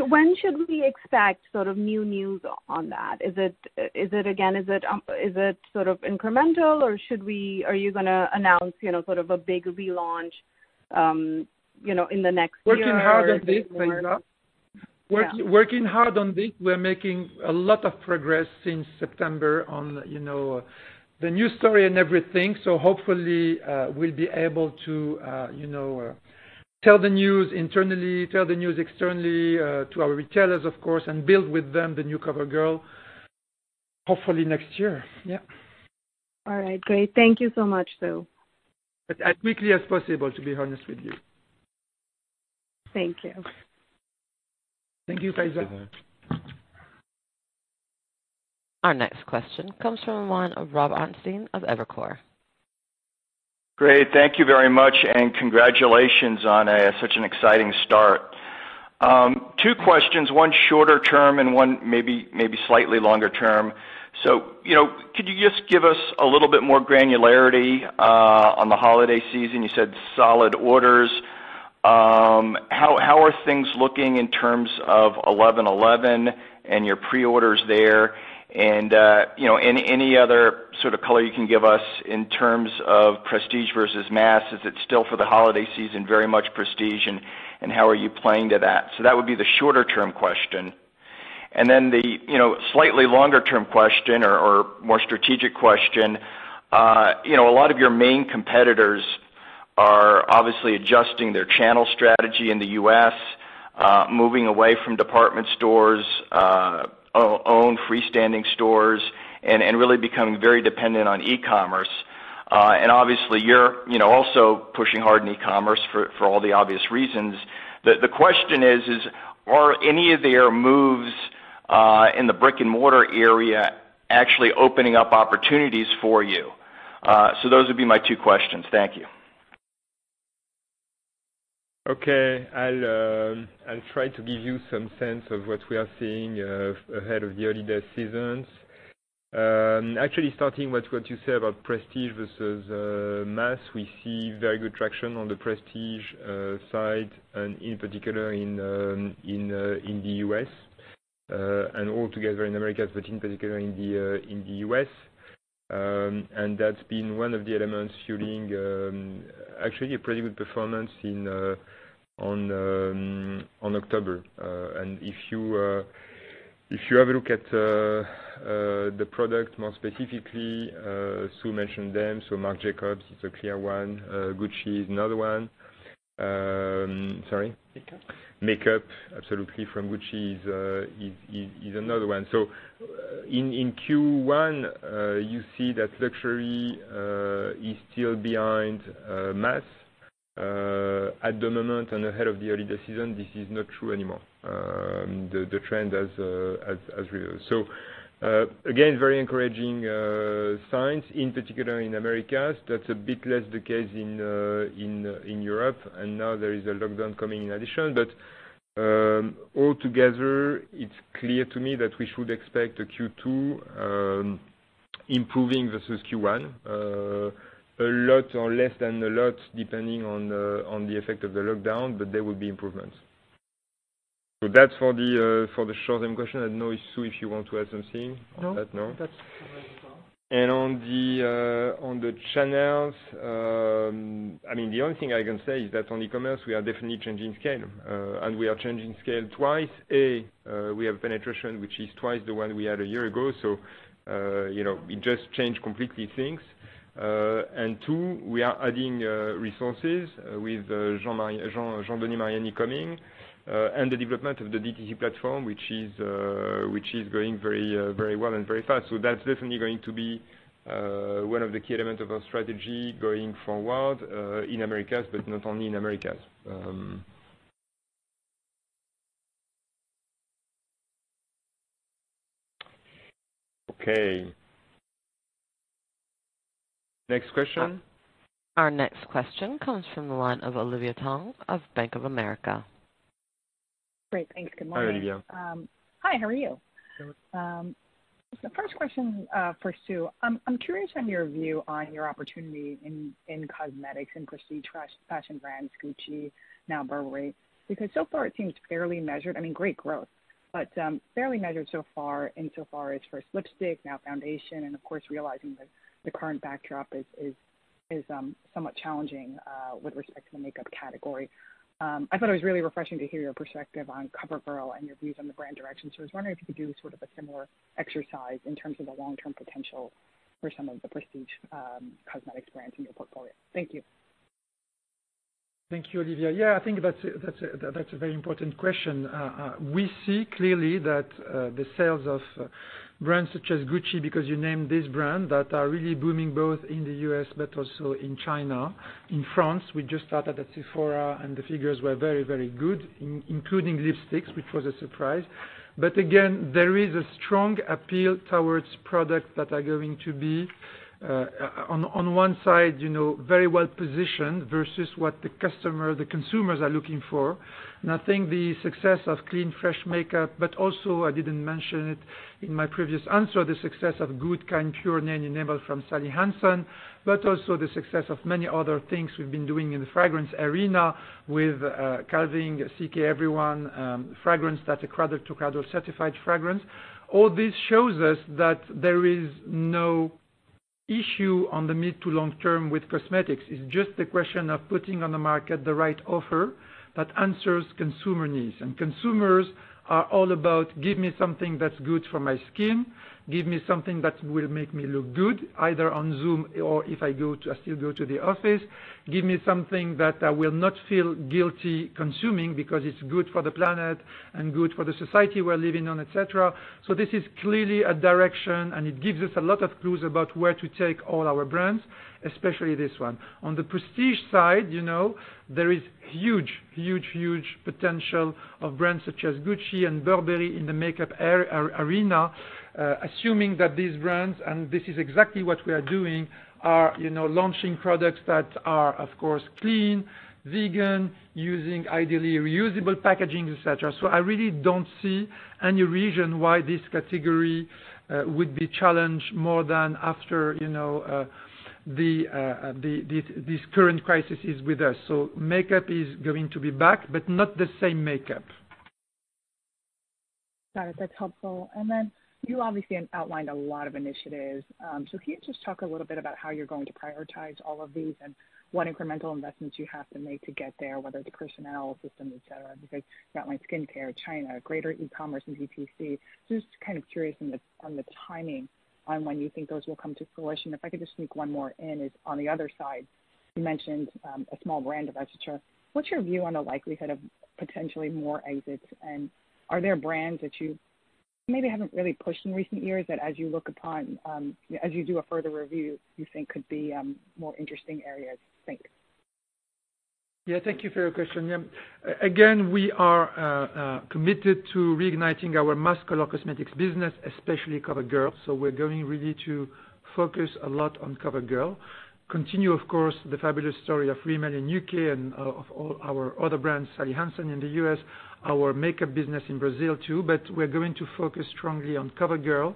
When should we expect some new news on that? Again, is it sort of incremental, or are you going to announce sort of a big relaunch in the next year? We are working hard on this, Faiza. Yeah. Working hard on this. We're making a lot of progress since September on the new story and everything. Hopefully, we'll be able to tell the news internally, tell the news externally to our retailers, of course, and build with them the new COVERGIRL, hopefully next year. Yeah. All right. Great. Thank you so much, Sue. As quickly as possible, to be honest with you. Thank you. Thank you, Faiza. Thank you. Our next question comes from the line of Robert Ottenstein of Evercore. Great. Thank you very much, and congratulations on such an exciting start. Two questions, one shorter term and one maybe slightly longer term. Could you just give us a little bit more granularity on the holiday season? You said solid orders. How are things looking in terms of 11.11 and your pre-orders there and any other sort of color you can give us in terms of prestige versus mass? Is it still for the holiday season very much prestige, and how are you playing to that? That would be the shorter-term question. The slightly longer-term question or more strategic question. A lot of your main competitors are obviously adjusting their channel strategy in the U.S., moving away from department stores, own freestanding stores, and really becoming very dependent on e-commerce. Obviously, you're also pushing hard in e-commerce for all the obvious reasons. The question is, are any of their moves in the brick-and-mortar area actually opening up opportunities for you? Those would be my two questions. Thank you. Okay. I'll try to give you some sense of what we are seeing ahead of the holiday seasons. Actually starting with what you say about Prestige versus Mass, we see very good traction on the Prestige side, and in particular in the U.S., and altogether in Americas, but in particular in the U.S. That's been one of the elements fueling actually a pretty good performance in October. If you have a look at the product more specifically, Sue mentioned them, Marc Jacobs is a clear one. Gucci is another one. Sorry? Makeup. Makeup, absolutely. From Gucci is another one. In Q1, you see that Prestige is still behind Mass. At the moment and ahead of the holiday season, this is not true anymore. The trend has reversed. Again, very encouraging signs in particular in Americas. That's a bit less the case in Europe, and now there is a lockdown coming in addition. Altogether, it's clear to me that we should expect a Q2 improving versus Q1. A lot or less than a lot depending on the effect of the lockdown, but there will be improvements. That's for the short-term question. I don't know, Sue, if you want to add something on that? No, that's perfect, Pierre. On the channels, the only thing I can say is that on e-commerce, we are definitely changing scale. We are changing scale twice. A. We have penetration, which is twice the one we had a year ago. It just changed completely things. Two. We are adding resources with Jean-Denis Mariani coming, and the development of the DTC platform, which is going very well and very fast. That's definitely going to be one of the key elements of our strategy going forward in Americas, but not only in Americas. Okay. Next question. Our next question comes from the line of Olivia Tong of Bank of America. Great. Thanks. Good morning. Hi, Olivia. Hi. How are you? Good. The first question for Sue. I'm curious on your view on your opportunity in cosmetics and prestige fashion brands, Gucci, now Burberry, because so far it seems fairly measured. I mean, great growth, but fairly measured so far insofar as first lipstick, now foundation, and of course, realizing that the current backdrop is somewhat challenging with respect to the makeup category. I thought it was really refreshing to hear your perspective on COVERGIRL and your views on the brand direction. I was wondering if you could do sort of a similar exercise in terms of the long-term potential for some of the prestige cosmetics brands in your portfolio. Thank you. Thank you, Olivia. Yeah, I think that's a very important question. We see clearly that the sales of brands such as Gucci, because you named this brand, that are really booming, both in the U.S. but also in China. In France, we just started at Sephora, and the figures were very good, including lipsticks, which was a surprise. Again, there is a strong appeal towards products that are going to be, on one side, very well-positioned versus what the consumers are looking for. I think the success of Clean Fresh makeup, but also I didn't mention it in my previous answer, the success of Good. Kind. Pure. from Sally Hansen, but also the success of many other things we've been doing in the fragrance arena with Calvin Klein CK Everyone fragrance, that Cradle to Cradle Certified fragrance. All this shows us that there is no issue on the mid to long-term with cosmetics. It's just a question of putting on the market the right offer that answers consumer needs. Consumers are all about give me something that's good for my skin, give me something that will make me look good either on Zoom or if I still go to the office, give me something that I will not feel guilty consuming because it's good for the planet and good for the society we're living in, et cetera. This is clearly a direction, and it gives us a lot of clues about where to take all our brands, especially this one. On the Prestige side, there is huge potential of brands such as Gucci and Burberry in the makeup arena, assuming that these brands, and this is exactly what we are doing, are launching products that are, of course, clean, vegan, using ideally reusable packaging, et cetera. I really don't see any reason why this category would be challenged more than after this current crisis is with us. Makeup is going to be back, but not the same makeup. Got it. That's helpful. You obviously outlined a lot of initiatives. Can you just talk a little bit about how you're going to prioritize all of these and what incremental investments you have to make to get there, whether the personnel, systems, et cetera, because you've got skincare, China, greater e-commerce and DTC. Just kind of curious on the timing on when you think those will come to fruition. If I could just sneak one more in is on the other side, you mentioned a small brand of et cetera. What's your view on the likelihood of potentially more exits? Are there brands that you maybe haven't really pushed in recent years that as you do a further review, you think could be more interesting areas? Thanks. Thank you for your question. Again, we are committed to reigniting our Mass color cosmetics business, especially COVERGIRL. We're going really to focus a lot on COVERGIRL. Continue, of course, the fabulous story of Rimmel in U.K. and of all our other brands, Sally Hansen in the U.S., our makeup business in Brazil too. We're going to focus strongly on COVERGIRL,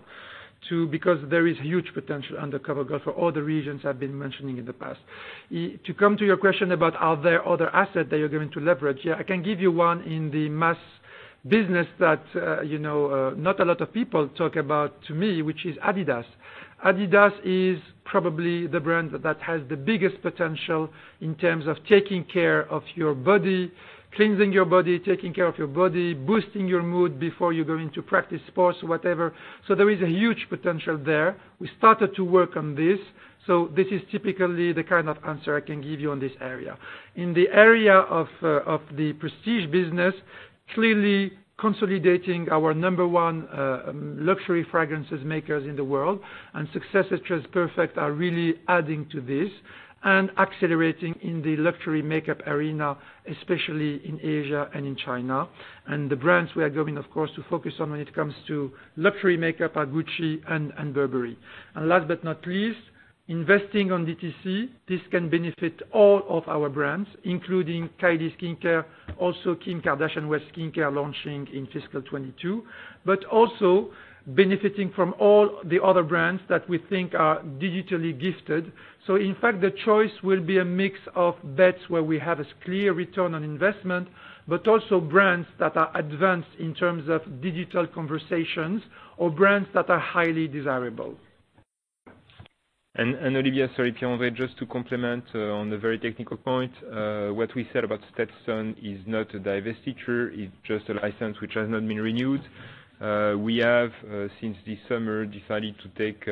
two, because there is huge potential under COVERGIRL for all the regions I've been mentioning in the past. To come to your question about are there other asset that you're going to leverage? I can give you one in the mass business that not a lot of people talk about to me, which is adidas. adidas is probably the brand that has the biggest potential in terms of taking care of your body, cleansing your body, taking care of your body, boosting your mood before you go into practice sports or whatever. There is a huge potential there. We started to work on this. This is typically the kind of answer I can give you on this area. In the area of the Prestige business, clearly consolidating our number one luxury fragrances makers in the world, and the successes of Marc Jacobs Perfect are really adding to this, and accelerating in the luxury makeup arena, especially in Asia and in China. The brands we are going, of course, to focus on when it comes to luxury makeup are Gucci and Burberry. Last but not least, investing on DTC, this can benefit all of our brands, including Kylie Skin, also SKKN BY KIM launching in fiscal 2022, but also benefiting from all the other brands that we think are digitally gifted. In fact, the choice will be a mix of bets where we have a clear return on investment, but also brands that are advanced in terms of digital conversations or brands that are highly desirable. Olivia, sorry, just to complement on the very technical point, what we said about Stetson is not a divestiture. It's just a license which has not been renewed. We have, since this summer, decided to take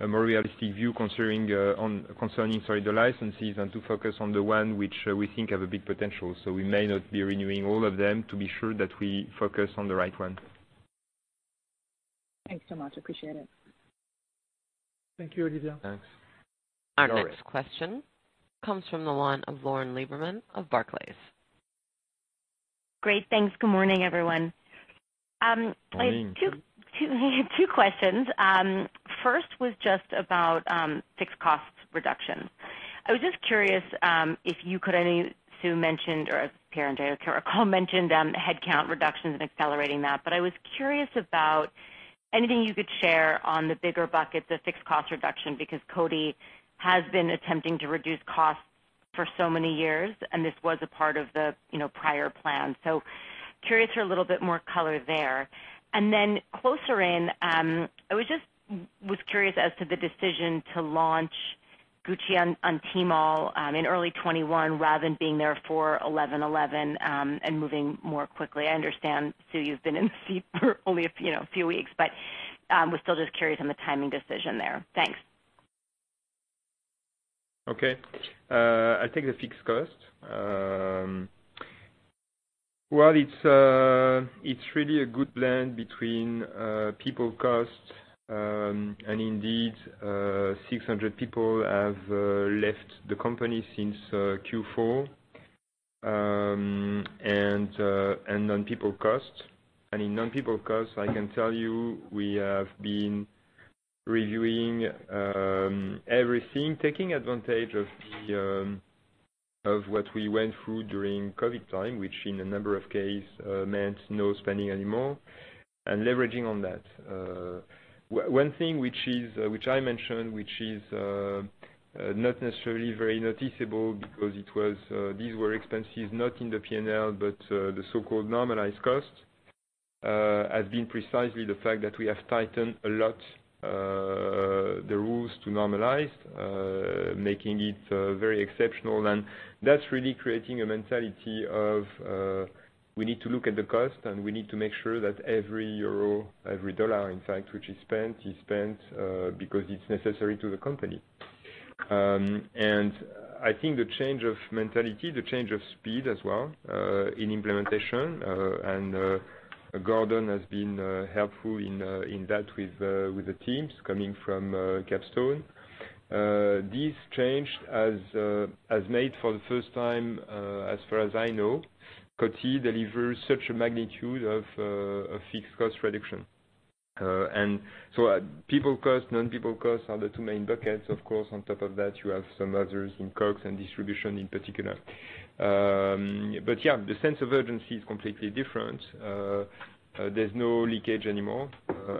a more realistic view concerning the licenses and to focus on the one which we think have a big potential. We may not be renewing all of them to be sure that we focus on the right one. Thanks so much. Appreciate it. Thank you, Olivia. Thanks. Our next question comes from the line of Lauren Lieberman of Barclays. Great. Thanks. Good morning, everyone. Morning. I have two questions. First was just about fixed cost reduction. I was just curious, Sue mentioned, or Pierre-André or Peter mentioned headcount reductions and accelerating that, but I was curious about anything you could share on the bigger buckets of fixed cost reduction, because Coty has been attempting to reduce costs for so many years, and this was a part of the prior plan. Curious for a little bit more color there. Closer in, I was curious as to the decision to launch Gucci on Tmall in early 2021 rather than being there for 11.11 and moving more quickly. I understand, Sue, you've been in the seat for only a few weeks, but was still just curious on the timing decision there. Thanks. Okay. I'll take the fixed cost. Well, it's really a good blend between people cost, and indeed, 600 people have left the company since Q4, and non-people cost. In non-people cost, I can tell you we have been reviewing everything, taking advantage of what we went through during COVID time, which in a number of case meant no spending anymore, and leveraging on that. One thing which I mentioned, which is not necessarily very noticeable because these were expenses not in the P&L, but the so-called normalized cost, has been precisely the fact that we have tightened a lot the rules to normalize, making it very exceptional. That's really creating a mentality of we need to look at the cost, and we need to make sure that every euro, every dollar in fact, which is spent, is spent because it's necessary to the company. I think the change of mentality, the change of speed as well, in implementation, Gordon has been helpful in that with the teams coming from Capstone. This change has made, for the first time, as far as I know, Coty deliver such a magnitude of fixed cost reduction. People cost and non-people cost are the two main buckets. Of course, on top of that, you have some others in COGS and distribution in particular. The sense of urgency is completely different. There's no leakage anymore,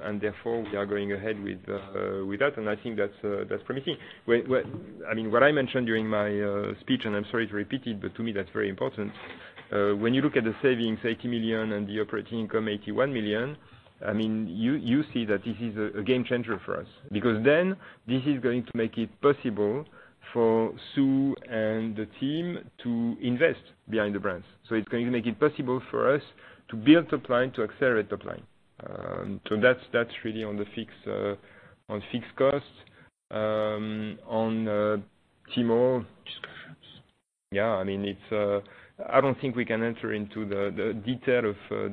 and therefore we are going ahead with that, and I think that's promising. What I mentioned during my speech, and I'm sorry to repeat it, but to me that's very important. When you look at the savings, $80 million and the operating income, $81 million, you see that this is a game-changer for us. This is going to make it possible for Sue and the team to invest in the brands. It's going to make it possible for us to build top line, to accelerate top line. That's really a fixed cost. On Tmall, yeah, I don't think we can enter into the details of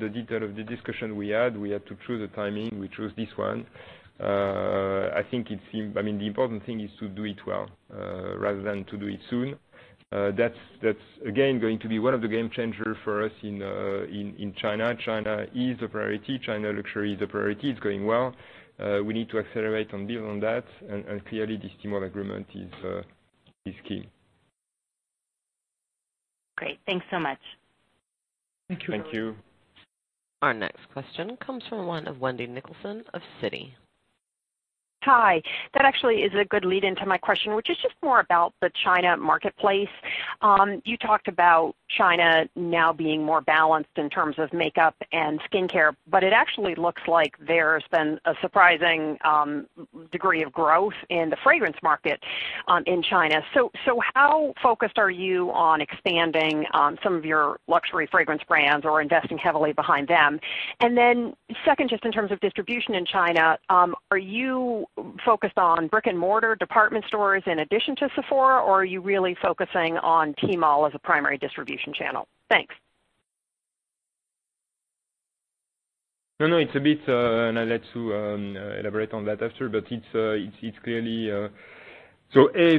the discussion we had. We had to choose a time. We chose this one. The important thing is to do it well, rather than to do it soon. That's again, going to be one of the game-changers for us in China. China is a priority. China luxury is a priority. It's going well. We need to accelerate and build on that, and clearly, this Tmall agreement is key. Great. Thanks so much. Thank you. Thank you. Our next question comes from the one of Wendy Nicholson of Citi. Hi. That actually is a good lead into my question, which is just more about the China marketplace. It actually looks like there's been a surprising degree of growth in the fragrance market in China. How focused are you on expanding some of your luxury fragrance brands or investing heavily behind them? Second, just in terms of distribution in China, are you focused on brick-and-mortar department stores in addition to Sephora, or are you really focusing on Tmall as a primary distribution channel? Thanks. No, it's a bit, and I'll let Sue elaborate on that after, but it's clear.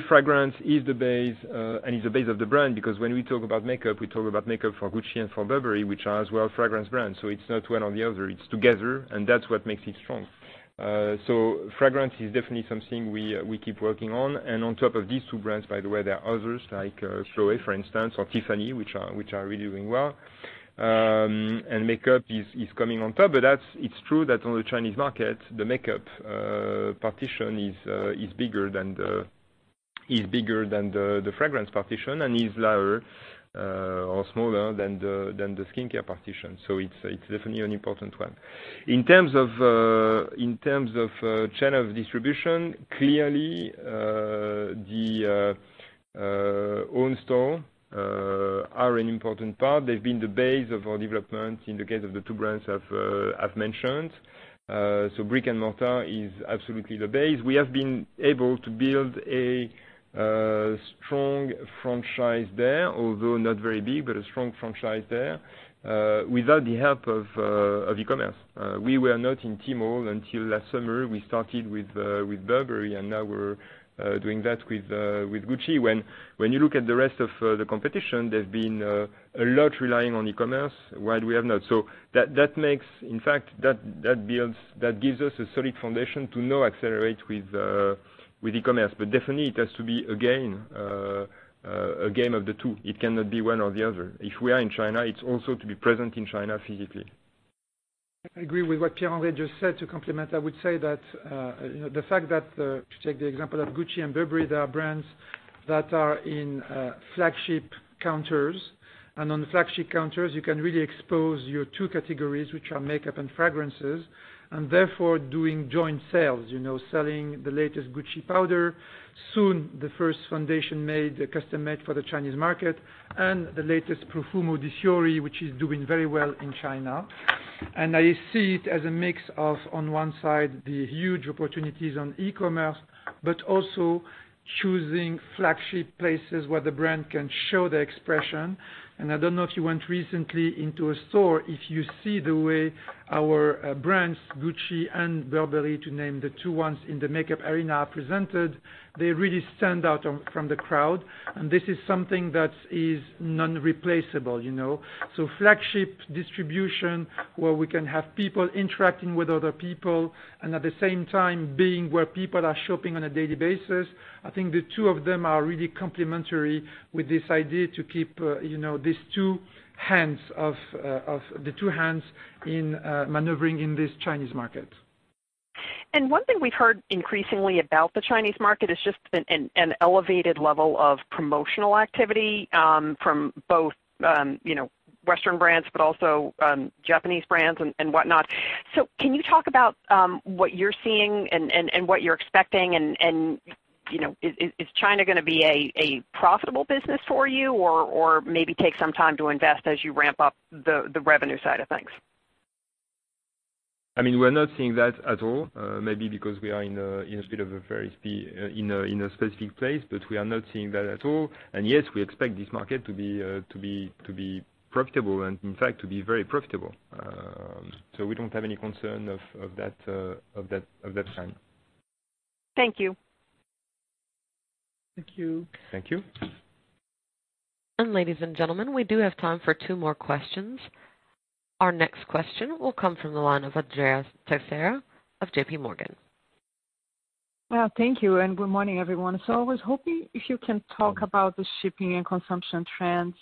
Fragrance is the base, and is the base of the brand, because when we talk about makeup, we talk about makeup for Gucci and for Burberry, which are as well fragrance brands. It's not one or the other; it's together, and that's what makes it strong. Fragrance is definitely something we keep working on. On top of these two brands, by the way, there are others like Chloé, for instance, or Tiffany, which are really doing well. Makeup is coming on top. It's true that on the Chinese market, the makeup partition is bigger than the fragrance partition, and is lower or smaller than the skincare partition. It's definitely an important one. In terms of the channel of distribution, clearly, our own stores are an important part. They've been the base of our development in the case of the two brands I've mentioned. Brick-and-mortar is absolutely the base. We have been able to build a strong franchise there, although not very big, but a strong franchise there, without the help of e-commerce. We were not on Tmall until last summer. We started with Burberry, and now we're doing that with Gucci. When you look at the rest of the competition, they've been relying a lot on e-commerce, while we have not. In fact, that gives us a solid foundation to now accelerate with e-commerce. Definitely, it has to be, again, a game of the two. It cannot be one or the other. If we are in China, it's also to be present in China physically. I agree with what Pierre-André just said. To complement, I would say that, to take the example of Gucci and Burberry, they are brands that are in flagship counters. On the flagship counters, you can really expose your two categories, which are makeup and fragrances, and therefore do joint sales. Selling the latest Gucci powder, soon the first foundation made custom-made for the Chinese market, and the latest Profumo di Fiori, which is doing very well in China. I see it as a mix of, on one side, the huge opportunities on e-commerce, but also choosing flagship places where the brand can show the expression. I don't know if you went recently into a store. If you see the way our brands, Gucci and Burberry, to name the two ones in the makeup arena, are presented, they really stand out from the crowd. This is something that is non-replaceable. Flagship distribution, where we can have people interacting with other people, and at the same time, being where people are shopping on a daily basis. I think the two of them are really complementary with this idea to keep these two hands in maneuvering in this Chinese market. One thing we've heard increasingly about the Chinese market is just an elevated level of promotional activity, from both Western brands, but also Japanese brands, and whatnot. Can you talk about what you're seeing and what you're expecting? Is China going to be a profitable business for you or maybe take some time to invest as you ramp up the revenue side of things? We're not seeing that at all. Maybe because we are in a specific place, but we are not seeing that at all. Yes, we expect this market to be profitable, and in fact, to be very profitable. We don't have any concern of that kind. Thank you. Thank you. Thank you. Ladies and gentlemen, we do have time for two more questions. Our next question will come from the line of Andrea Teixeira of JPMorgan. Thank you, good morning, everyone. I was hoping you could talk about the shipping and consumption trends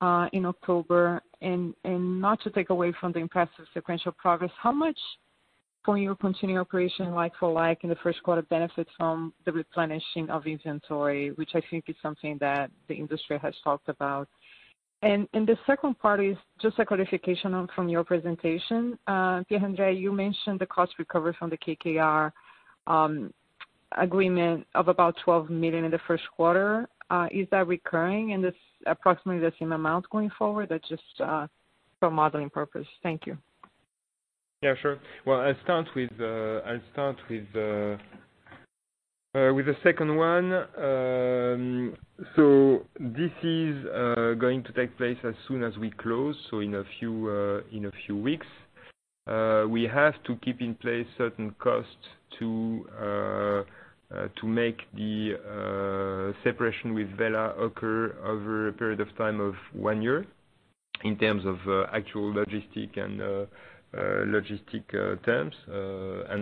in October. Not to take away from the impressive sequential progress, how much for your continuing operation like-for-like in the first quarter benefits from the replenishing of inventory, which I think is something that the industry has talked about. The second part is just a clarification of your presentation. Pierre-André, you mentioned the cost recovery from the KKR agreement of about $12 million in the first quarter. Is that recurring, and it's approximately the same amount going forward? Or that's just for modeling purposes? Thank you. Yeah, sure. Well, I'll start with the second one. This is going to take place as soon as we close, so in a few weeks. We have to keep certain costs in place to make the separation with Wella occur over a period of time of one year, in terms of actual logistics and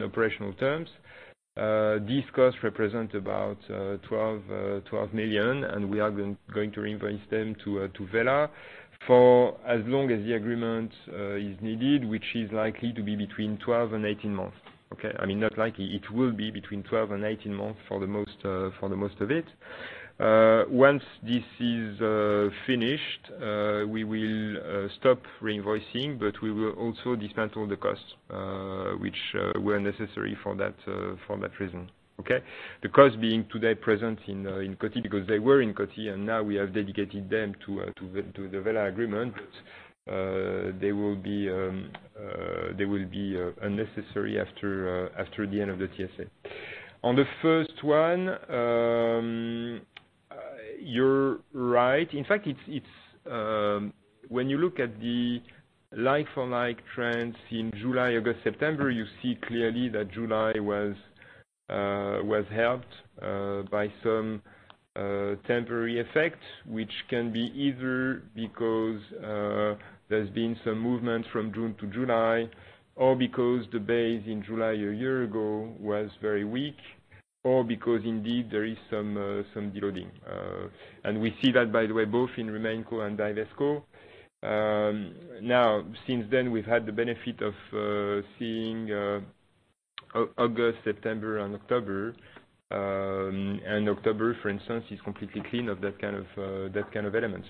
operational terms. These costs represent about $12 million, and we are going to invoice them to Wella for as long as the agreement is needed, which is likely to be between 12 and 18 months. Okay. I mean, not likely. It will be between 12 and 18 months for most of it. Once this is finished, we will stop reinvoicing, but we will also dismantle the costs that were necessary for that reason. Okay? The costs are present today in Coty because they were in Coty; now we have dedicated them to the Wella agreement. They will be unnecessary after the end of the TSA. On the first one, you're right. In fact, when you look at the like-for-like trends in July, August, and September, you see clearly that July was helped by some temporary effects, which can be either because there's been some movement from June to July, or because the base in July a year ago was very weak, or because indeed there is some de-loading. We see that, by the way, both in RemainCo and DivestCo. Since then, we've had the benefit of seeing August, September and October. October, for instance, is completely clean of that kind of elements,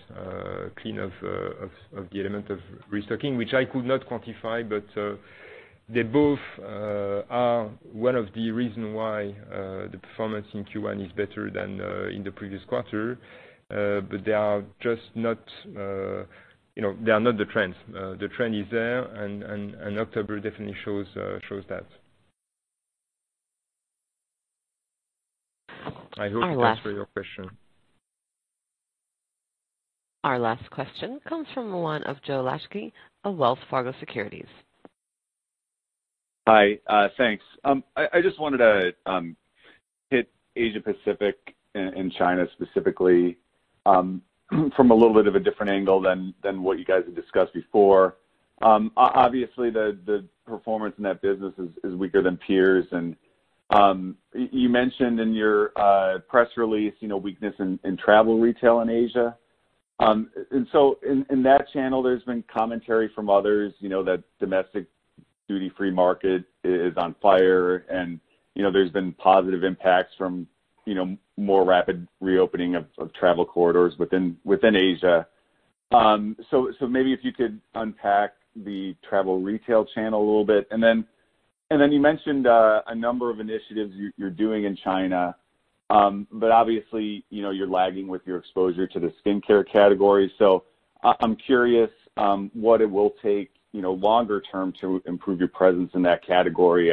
clean of the element of restocking. Which I could not quantify, but they both are one of the reason why the performance in Q1 is better than in the previous quarter. They are not the trends. The trend is there, and October definitely shows that. I hope that answers your question. Our last question comes from the line of Joe Lachky of Wells Fargo Securities. Hi, thanks. I just wanted to hit Asia-Pacific and China specifically from a little bit of a different angle than what you guys have discussed before. Obviously, the performance in that business is weaker than peers. You mentioned in your press release a weakness in travel retail in Asia. In that channel, there's been commentary from others, that domestic duty-free market is on fire, and there's been positive impacts from more rapid reopening of travel corridors within Asia. Maybe if you could unpack the travel retail channel a little bit. Then you mentioned a number of initiatives you're doing in China. Obviously, you're lagging with your exposure to the skincare category. I'm curious what it will take longer term to improve your presence in that category.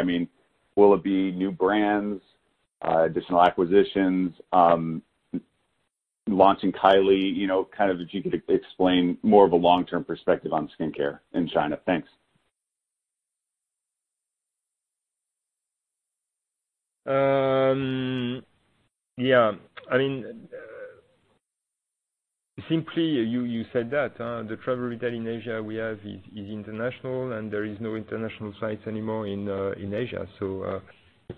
Will it be new brands, additional acquisitions, launching Kylie Skin? If you could explain more of a long-term perspective on skincare in China. Thanks. Yeah. Simply you said that, the travel retail in Asia we have is international, and there is no international flights anymore in Asia.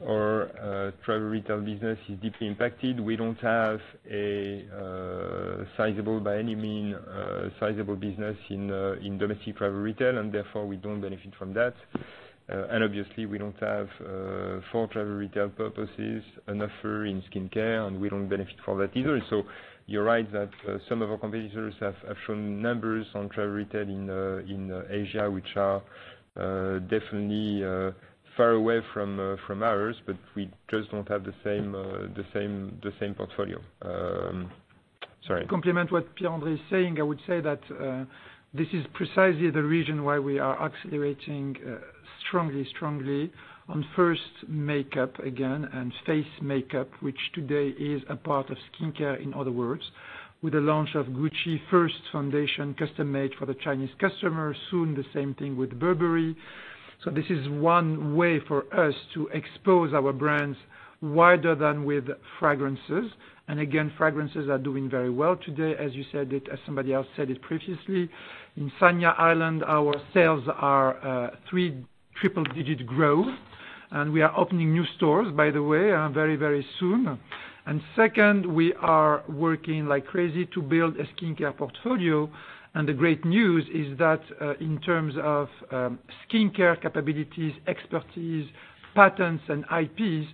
Our travel retail business is deeply impacted. We don't have a sizable, by any means, sizable business in domestic travel retail, and therefore we don't benefit from that. Obviously we don't have, for travel retail purposes, an offer in skincare, and we don't benefit from that either. You're right that some of our competitors have shown numbers on travel retail in Asia, which are definitely far away from ours, but we just don't have the same portfolio. Sorry. To complement what Pierre-André is saying, I would say that this is precisely the reason why we are accelerating strongly on first, makeup again, and face makeup, which today is a part of skincare, in other words. With the launch of Gucci's first foundation custom-made for the Chinese customer, soon be the same thing with Burberry. This is one way for us to expose our brands more widely than with fragrances. Again, fragrances are doing very well today, as you said, as somebody else said it previously. In Sanya Island, our sales are triple-digit growth. We are opening new stores, by the way, very soon. Second, we are working like crazy to build a skincare portfolio. The great news is that in terms of skincare capabilities, expertise, patents, and IPs,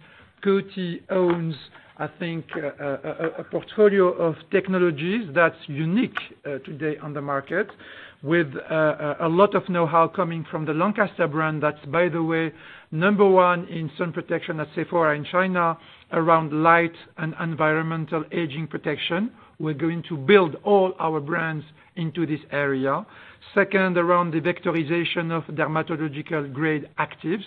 Coty owns, I think, a portfolio of technologies that's unique today on the market. With a lot of know-how coming from the Lancaster brand, that's by the way, number one in sun protection at Sephora in China, around light and environmental aging protection. We're going to build all our brands into this area. Second, around the vectorization of dermatological grade actives.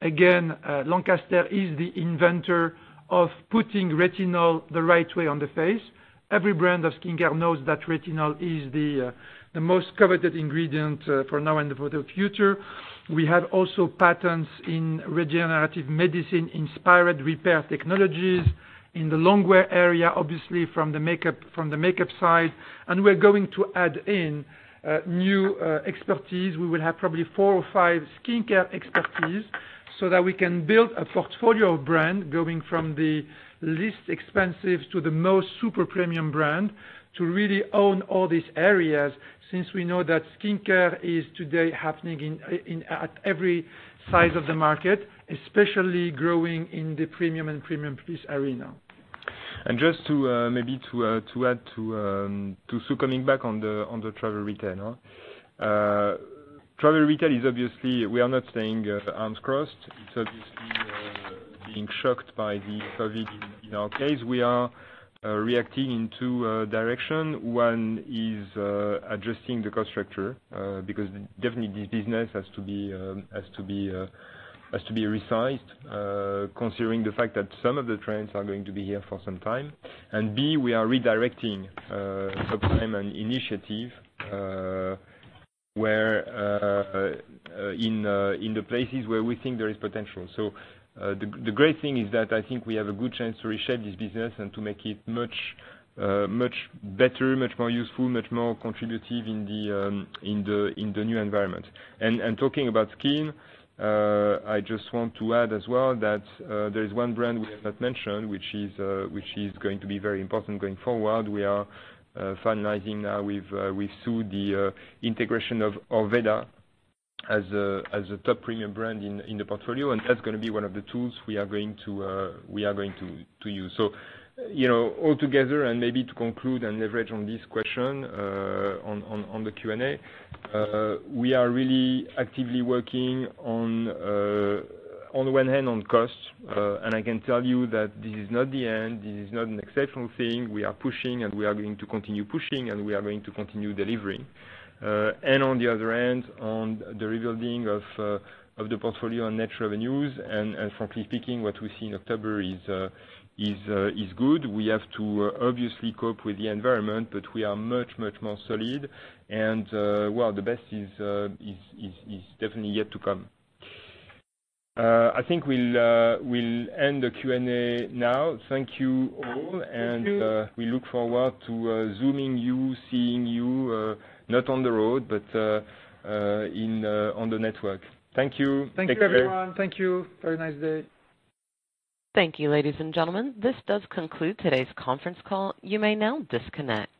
Again, Lancaster is the inventor of putting retinol the right way on the face. Every brand of skincare knows that retinol is the most coveted ingredient for now and for the future. We also have patents in regenerative medicine-inspired repair technologies. In the long-wear area, obviously from the makeup side. We're going to add in new expertise. We will probably have four or five skincare expertise areas, so that we can build a portfolio of brands going from the least expensive to the most super premium brand, to really own all these areas, since we know that skincare is today happening at every size of the market, especially growing in the premium and premium-plus arena. Just to maybe add, coming back to the travel retail. Travel retail is obviously, we are not staying arms crossed. It's obviously being shocked by COVID-19 in our case. We are reacting in two directions. One is adjusting the cost structure, because definitely this business has to be resized, considering the fact that some of the trends are going to be here for some time. B, we are redirecting some time and initiative in the places where we think there is potential. The great thing is that I think we have a good chance to reshape this business and to make it much better, much more useful, much more contributive in the new environment. Talking about skin, I just want to add as well that there is one brand we have not mentioned, which is going to be very important going forward. We are finalizing now with Sue the integration of Orveda as a top premium brand in the portfolio, and that's going to be one of the tools we are going to use. Altogether, and maybe to conclude and leverage on this question on the Q&A, we are really actively working, on one hand, on costs. I can tell you that this is not the end. This is not an exceptional thing. We are pushing, and we are going to continue pushing, and we are going to continue delivering. On the other hand, on the rebuilding of the portfolio on net revenues, and frankly speaking, what we see in October is good. We have to obviously cope with the environment, but we are much, much more solid and, well, the best is definitely yet to come. I think we'll end the Q&A now. Thank you all. Thank you. We look forward to Zooming with you, seeing you, not on the road, but on the network. Thank you. Take care. Thank you, everyone. Thank you. Very nice day. Thank you, ladies and gentlemen. This does conclude today's conference call. You may now disconnect.